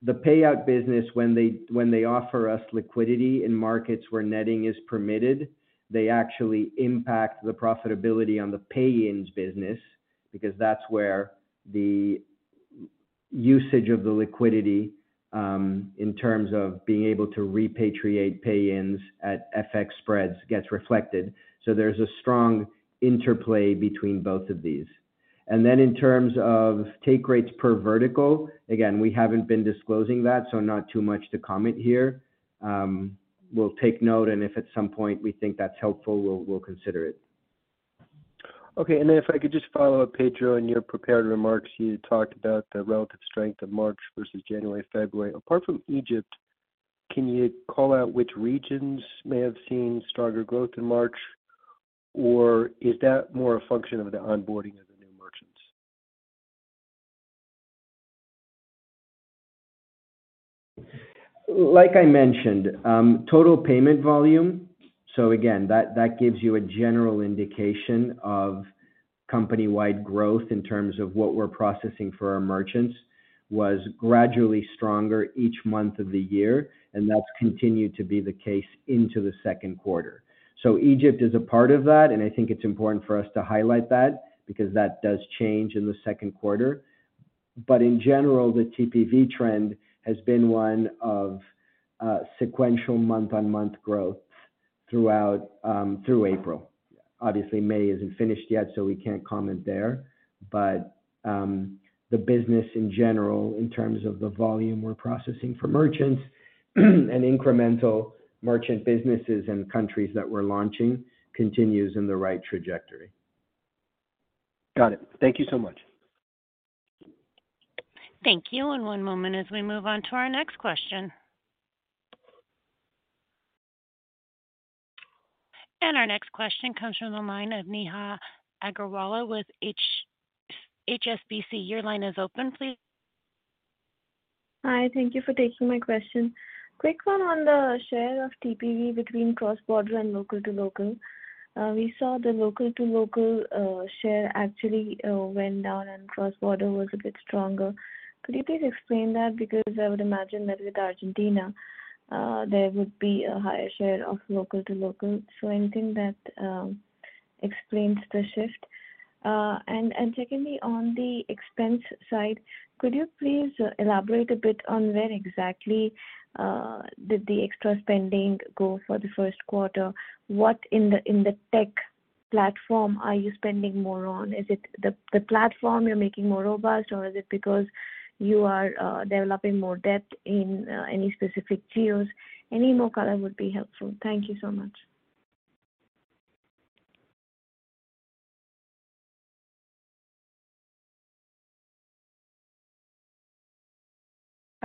The payout business, when they offer us liquidity in markets where netting is permitted, they actually impact the profitability on the pay-ins business because that's where the usage of the liquidity in terms of being able to repatriate pay-ins at FX spreads gets reflected. So there's a strong interplay between both of these. And then in terms of take rates per vertical, again, we haven't been disclosing that, so not too much to comment here. We'll take note. And if at some point we think that's helpful, we'll consider it. Okay. And then if I could just follow up, Pedro, in your prepared remarks, you talked about the relative strength of March versus January, February. Apart from Egypt, can you call out which regions may have seen stronger growth in March, or is that more a function of the onboarding of the new merchants? Like I mentioned, total payment volume, so again, that gives you a general indication of company-wide growth in terms of what we're processing for our merchants, was gradually stronger each month of the year. That's continued to be the case into the second quarter. Egypt is a part of that. I think it's important for us to highlight that because that does change in the second quarter. In general, the TPV trend has been one of sequential month-on-month growth throughout April. Obviously, May isn't finished yet, so we can't comment there. But the business in general, in terms of the volume we're processing for merchants and incremental merchant businesses and countries that we're launching, continues in the right trajectory. Got it. Thank you so much. Thank you. And one moment as we move on to our next question. And our next question comes from the line of Neha Agarwala with HSBC. Your line is open, please. Hi. Thank you for taking my question. Quick one on the share of TPV between cross-border and local-to-local. We saw the local-to-local share actually went down, and cross-border was a bit stronger. Could you please explain that? Because I would imagine that with Argentina, there would be a higher share of local-to-local. So anything that explains the shift? And secondly, on the expense side, could you please elaborate a bit on where exactly did the extra spending go for the first quarter? What in the tech platform are you spending more on? Is it the platform you're making more robust, or is it because you are developing more depth in any specific geos? Any more color would be helpful. Thank you so much.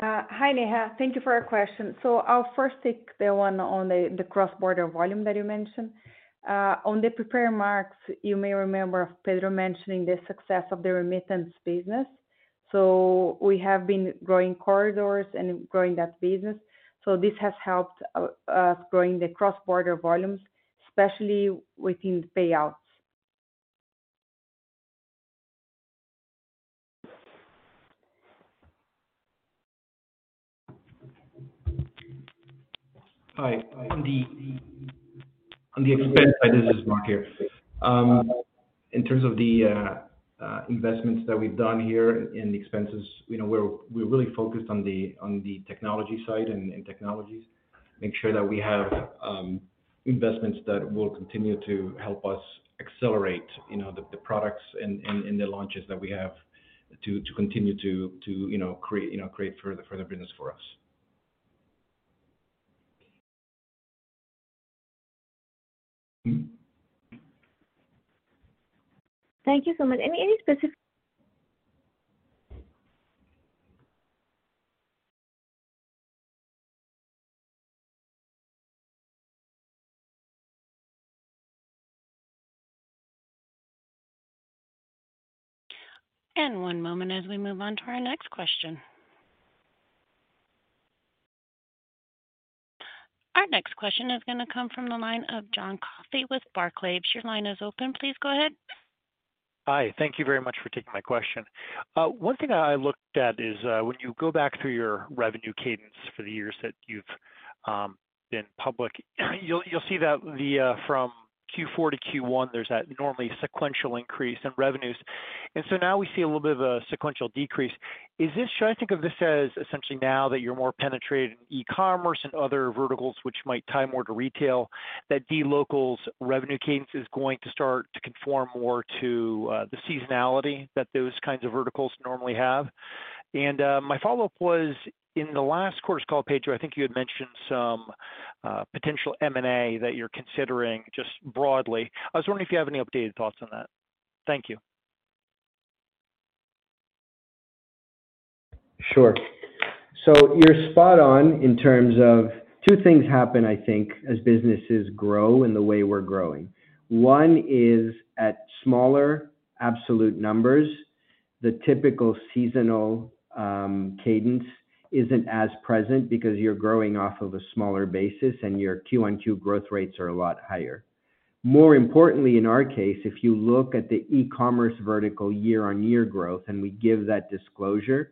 Hi, Neha. Thank you for your question. So I'll first take the one on the cross-border volume that you mentioned. On the prepared remarks, you may remember Pedro mentioning the success of the remittance business. So we have been growing corridors and growing that business. So this has helped us growing the cross-border volumes, especially within payouts. Hi. On the expense side, this is Mark here. In terms of the investments that we've done here and the expenses, we're really focused on the technology side and technologies, make sure that we have investments that will continue to help us accelerate the products and the launches that we have to continue to create further business for us. Thank you so much. Any specific. And one moment as we move on to our next question. Our next question is going to come from the line of John Coffey with Barclays. Your line is open. Please go ahead. Hi. Thank you very much for taking my question. One thing I looked at is when you go back through your revenue cadence for the years that you've been public, you'll see that from Q4-Q1, there's that normally sequential increase in revenues. And so now we see a little bit of a sequential decrease. Should I think of this as essentially now that you're more penetrated in e-commerce and other verticals which might tie more to retail, that the dLocal's revenue cadence is going to start to conform more to the seasonality that those kinds of verticals normally have? And my follow-up was in the last quarter's call, Pedro, I think you had mentioned some potential M&A that you're considering just broadly. I was wondering if you have any updated thoughts on that. Thank you. Sure. So you're spot on in terms of two things happen, I think, as businesses grow in the way we're growing. One is at smaller absolute numbers, the typical seasonal cadence isn't as present because you're growing off of a smaller basis, and your Q-on-Q growth rates are a lot higher. More importantly, in our case, if you look at the e-commerce vertical year-on-year growth and we give that disclosure,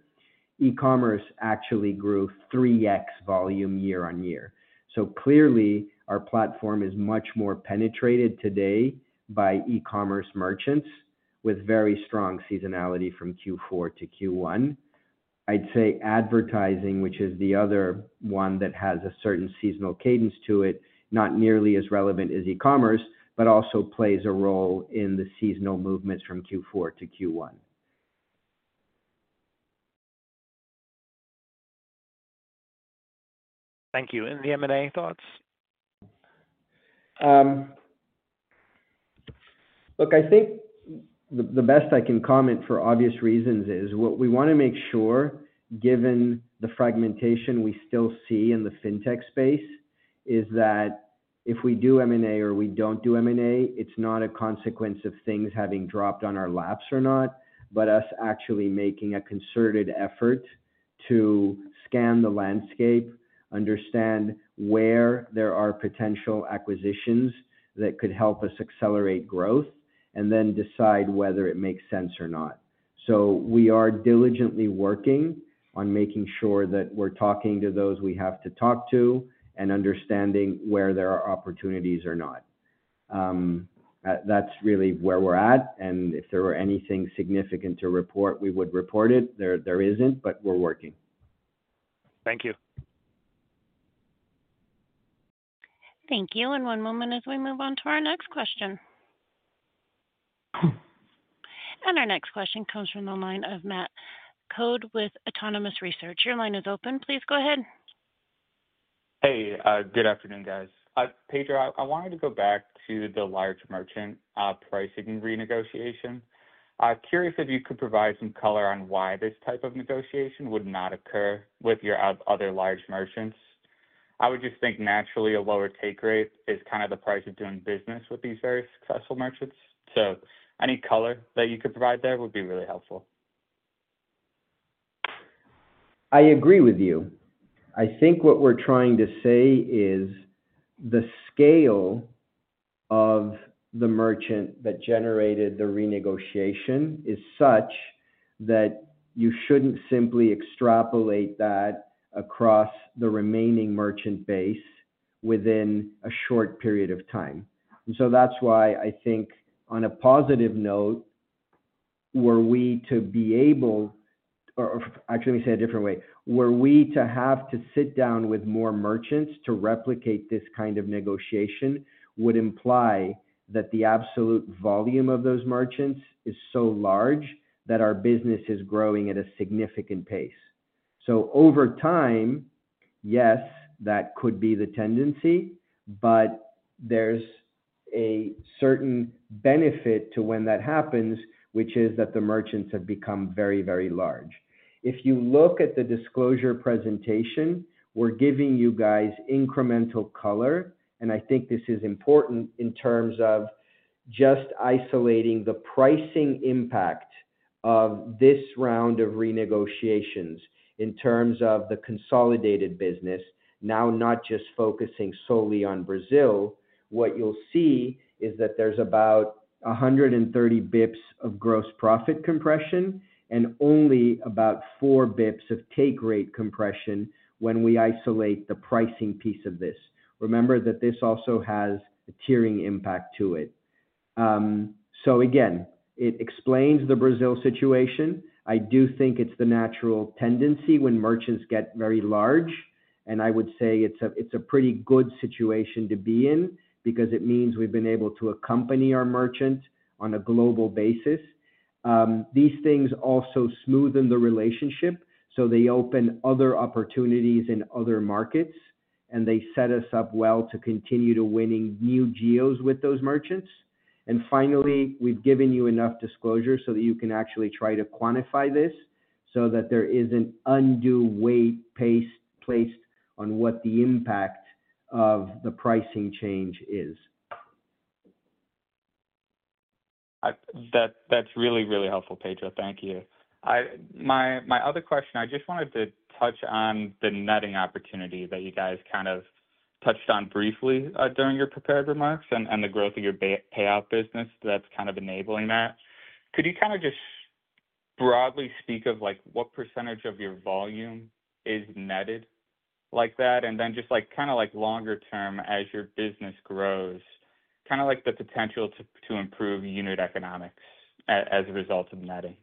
e-commerce actually grew 3x volume year-on-year. So clearly, our platform is much more penetrated today by e-commerce merchants with very strong seasonality from Q4-Q1. I'd say advertising, which is the other one that has a certain seasonal cadence to it, not nearly as relevant as e-commerce, but also plays a role in the seasonal movements from Q4-Q1. Thank you. Any M&A thoughts? Look, I think the best I can comment for obvious reasons is what we want to make sure, given the fragmentation we still see in the fintech space, is that if we do M&A or we don't do M&A, it's not a consequence of things having dropped on our laps or not, but us actually making a concerted effort to scan the landscape, understand where there are potential acquisitions that could help us accelerate growth, and then decide whether it makes sense or not. So we are diligently working on making sure that we're talking to those we have to talk to and understanding where there are opportunities or not. That's really where we're at. And if there were anything significant to report, we would report it. There isn't, but we're working. Thank you. Thank you. One moment as we move on to our next question. Our next question comes from the line of Matt Coad with Autonomous Research. Your line is open. Please go ahead. Hey. Good afternoon, guys. Pedro, I wanted to go back to the large merchant pricing renegotiation. I'm curious if you could provide some color on why this type of negotiation would not occur with your other large merchants. I would just think naturally, a lower take rate is kind of the price of doing business with these very successful merchants. So any color that you could provide there would be really helpful. I agree with you. I think what we're trying to say is the scale of the merchant that generated the renegotiation is such that you shouldn't simply extrapolate that across the remaining merchant base within a short period of time. And so that's why I think, on a positive note, were we to be able or actually, let me say it a different way. Were we to have to sit down with more merchants to replicate this kind of negotiation would imply that the absolute volume of those merchants is so large that our business is growing at a significant pace. So over time, yes, that could be the tendency. But there's a certain benefit to when that happens, which is that the merchants have become very, very large. If you look at the disclosure presentation, we're giving you guys incremental color. And I think this is important in terms of just isolating the pricing impact of this round of renegotiations in terms of the consolidated business, now not just focusing solely on Brazil. What you'll see is that there's about 130 bps of gross profit compression and only about 4 bps of take rate compression when we isolate the pricing piece of this. Remember that this also has a tiering impact to it. So again, it explains the Brazil situation. I do think it's the natural tendency when merchants get very large. And I would say it's a pretty good situation to be in because it means we've been able to accompany our merchant on a global basis. These things also smoothen the relationship. So they open other opportunities in other markets, and they set us up well to continue to winning new geos with those merchants. And finally, we've given you enough disclosure so that you can actually try to quantify this so that there isn't undue weight placed on what the impact of the pricing change is. That's really, really helpful, Pedro. Thank you. My other question, I just wanted to touch on the netting opportunity that you guys kind of touched on briefly during your prepared remarks and the growth of your payout business that's kind of enabling that. Could you kind of just broadly speak of what percentage of your volume is netted like that? And then just kind of longer-term, as your business grows, kind of the potential to improve unit economics as a result of netting.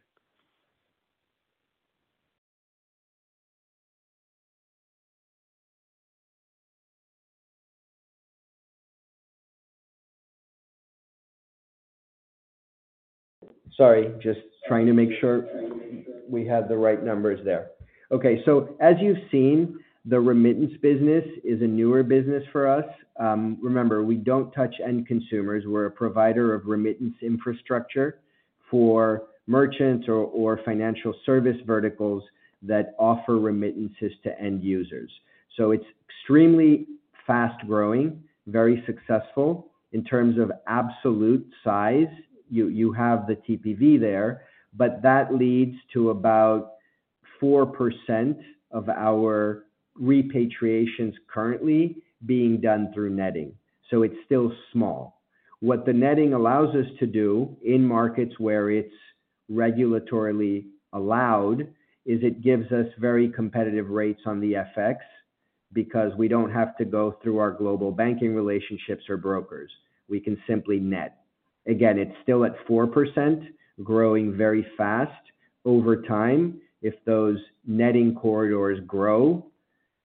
Sorry. Just trying to make sure we had the right numbers there. Okay. So as you've seen, the remittance business is a newer business for us. Remember, we don't touch end consumers. We're a provider of remittance infrastructure for merchants or financial service verticals that offer remittances to end users. So it's extremely fast-growing, very successful in terms of absolute size. You have the TPV there, but that leads to about 4% of our repatriations currently being done through netting. So it's still small. What the netting allows us to do in markets where it's regulatorily allowed is it gives us very competitive rates on the FX because we don't have to go through our global banking relationships or brokers. We can simply net. Again, it's still at 4%, growing very fast over time. If those netting corridors grow,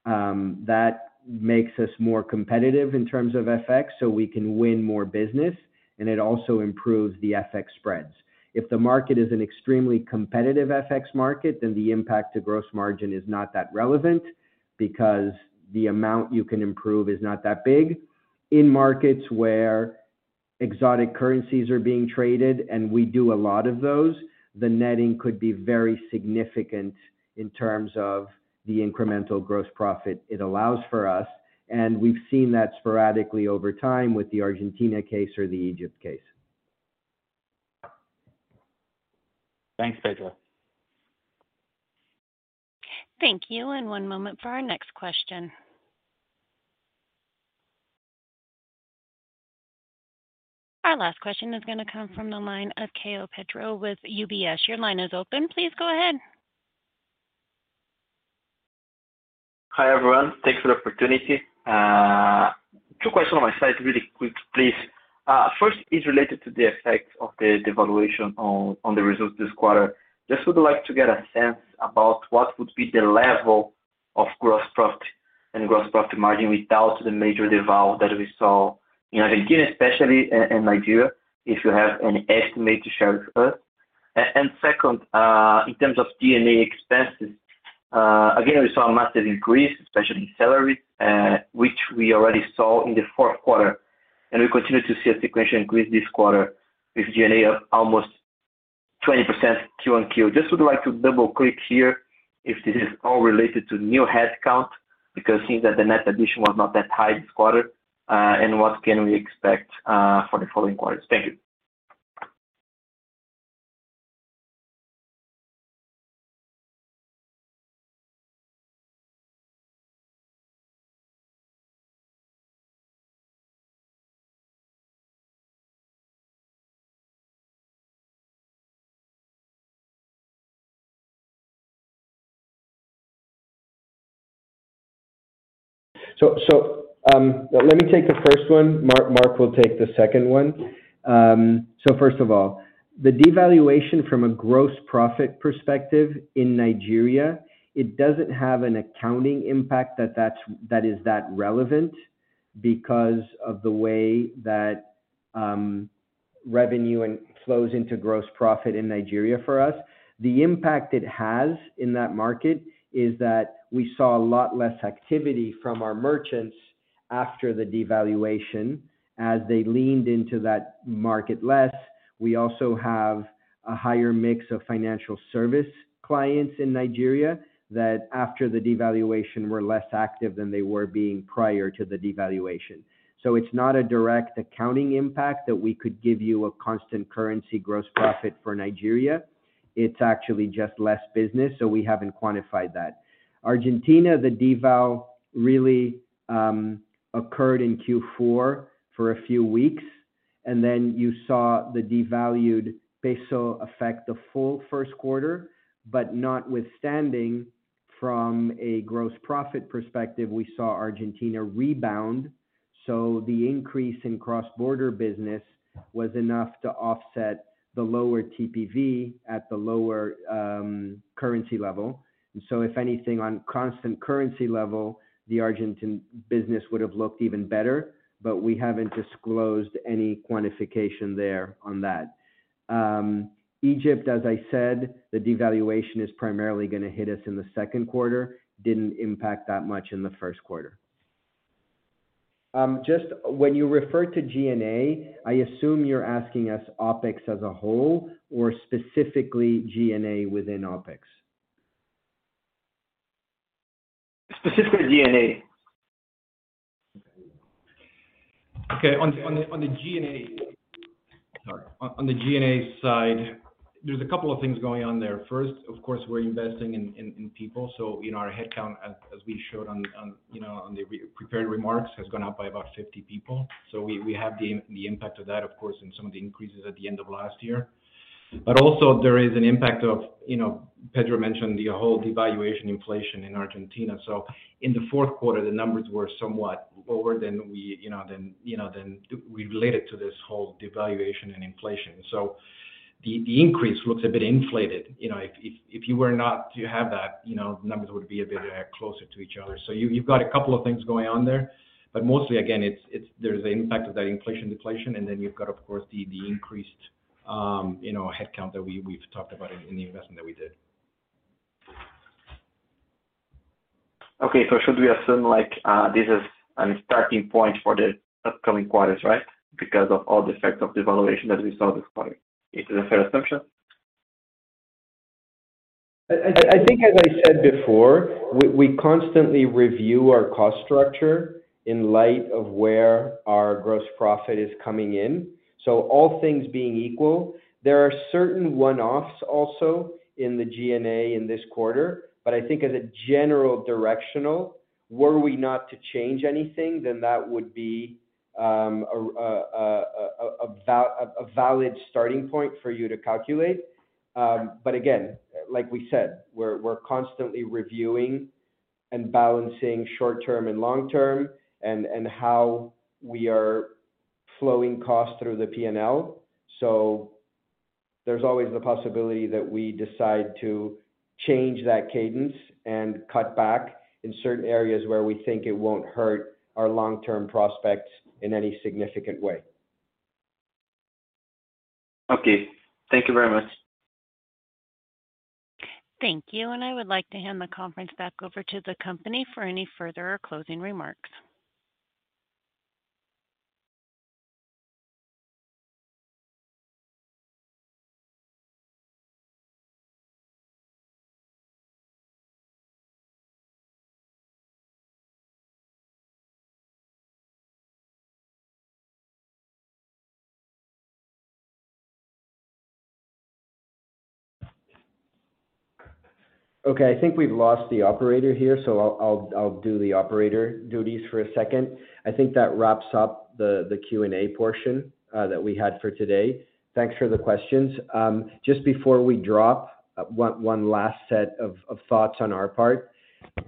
that makes us more competitive in terms of FX so we can win more business. And it also improves the FX spreads. If the market is an extremely competitive FX market, then the impact to gross margin is not that relevant because the amount you can improve is not that big. In markets where exotic currencies are being traded, and we do a lot of those, the netting could be very significant in terms of the incremental gross profit it allows for us. And we've seen that sporadically over time with the Argentina case or the Egypt case. Thanks, Pedro. Thank you. And one moment for our next question. Our last question is going to come from the line of Kaio Prato with UBS. Your line is open. Please go ahead. Hi, everyone. Thanks for the opportunity. Two questions on my side, really quick, please. First is related to the effects of the devaluation on the results this quarter. Just would like to get a sense about what would be the level of gross profit and gross profit margin without the major devaluation that we saw in Argentina, especially in Nigeria, if you have an estimate to share with us. Second, in terms of G&A expenses, again, we saw a massive increase, especially in salaries, which we already saw in the fourth quarter. We continue to see a sequential increase this quarter with G&A of almost 20% quarter-over-quarter. Just would like to double-click here if this is all related to new headcount because it seems that the net addition was not that high this quarter. What can we expect for the following quarters? Thank you. Let me take the first one. Mark will take the second one. First of all, the devaluation from a gross profit perspective in Nigeria, it doesn't have an accounting impact that is that relevant because of the way that revenue flows into gross profit in Nigeria for us. The impact it has in that market is that we saw a lot less activity from our merchants after the devaluation as they leaned into that market less. We also have a higher mix of financial service clients in Nigeria that, after the devaluation, were less active than they were being prior to the devaluation. So it's not a direct accounting impact that we could give you a constant currency gross profit for Nigeria. It's actually just less business. So we haven't quantified that. Argentina, the devaluation really occurred in Q4 for a few weeks. And then you saw the devalued peso affect the full first quarter. But notwithstanding, from a gross profit perspective, we saw Argentina rebound. So the increase in cross-border business was enough to offset the lower TPV at the lower currency level. And so if anything, on constant currency level, the Argentine business would have looked even better. But we haven't disclosed any quantification there on that. Egypt, as I said, the devaluation is primarily going to hit us in the second quarter, didn't impact that much in the first quarter. Just when you refer to G&A, I assume you're asking us OpEx as a whole or specifically G&A within OpEx. Specifically G&A. Okay. On the G&A sorry. On the G&A side, there's a couple of things going on there. First, of course, we're investing in people. So our headcount, as we showed on the prepared remarks, has gone up by about 50 people. So we have the impact of that, of course, in some of the increases at the end of last year. But also, there is an impact of Pedro mentioned the whole devaluation inflation in Argentina. So in the fourth quarter, the numbers were somewhat lower than we related to this whole devaluation and inflation. So the increase looks a bit inflated. If you were not to have that, the numbers would be a bit closer to each other. So you've got a couple of things going on there. But mostly, again, there's an impact of that inflation-deflation. And then you've got, of course, the increased headcount that we've talked about in the investment that we did. Okay. So should we assume this is a starting point for the upcoming quarters, right, because of all the effects of devaluation that we saw this quarter? Is that a fair assumption? I think, as I said before, we constantly review our cost structure in light of where our gross profit is coming in. So all things being equal, there are certain one-offs also in the G&A in this quarter. But I think as a general directional, were we not to change anything, then that would be a valid starting point for you to calculate. But again, like we said, we're constantly reviewing and balancing short-term and long-term and how we are flowing costs through the P&L. So there's always the possibility that we decide to change that cadence and cut back in certain areas where we think it won't hurt our long-term prospects in any significant way. Okay. Thank you very much. Thank you. I would like to hand the conference back over to the company for any further or closing remarks. Okay. I think we've lost the operator here. I'll do the operator duties for a second. I think that wraps up the Q&A portion that we had for today. Thanks for the questions. Just before we drop, one last set of thoughts on our part.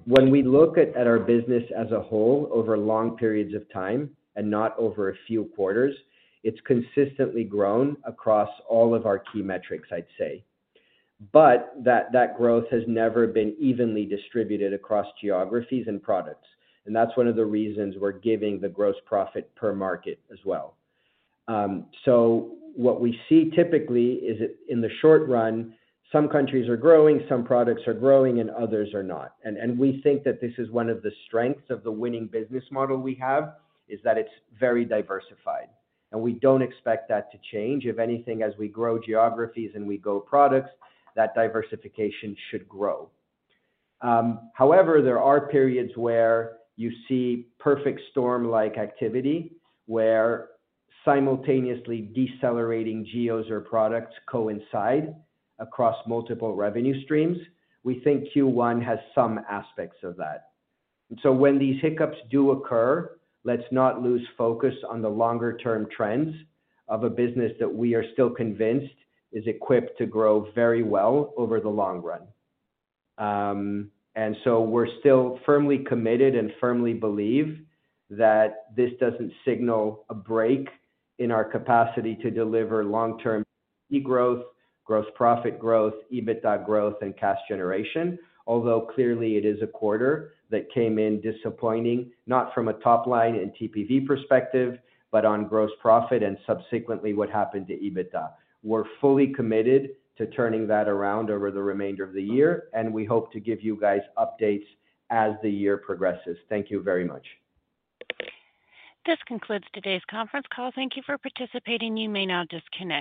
When we look at our business as a whole over long periods of time and not over a few quarters, it's consistently grown across all of our key metrics, I'd say. But that growth has never been evenly distributed across geographies and products. And that's one of the reasons we're giving the gross profit per market as well. So what we see typically is, in the short run, some countries are growing, some products are growing, and others are not. And we think that this is one of the strengths of the winning business model we have, is that it's very diversified. And we don't expect that to change. If anything, as we grow geographies and we grow products, that diversification should grow. However, there are periods where you see perfect storm-like activity where simultaneously decelerating geos or products coincide across multiple revenue streams. We think Q1 has some aspects of that. And so when these hiccups do occur, let's not lose focus on the longer-term trends of a business that we are still convinced is equipped to grow very well over the long run. And so we're still firmly committed and firmly believe that this doesn't signal a break in our capacity to deliver long-term e-growth, gross profit growth, EBITDA growth, and cash generation, although clearly, it is a quarter that came in disappointing, not from a top-line and TPV perspective, but on gross profit and subsequently what happened to EBITDA. We're fully committed to turning that around over the remainder of the year. And we hope to give you guys updates as the year progresses. Thank you very much. This concludes today's conference call. Thank you for participating. You may now disconnect.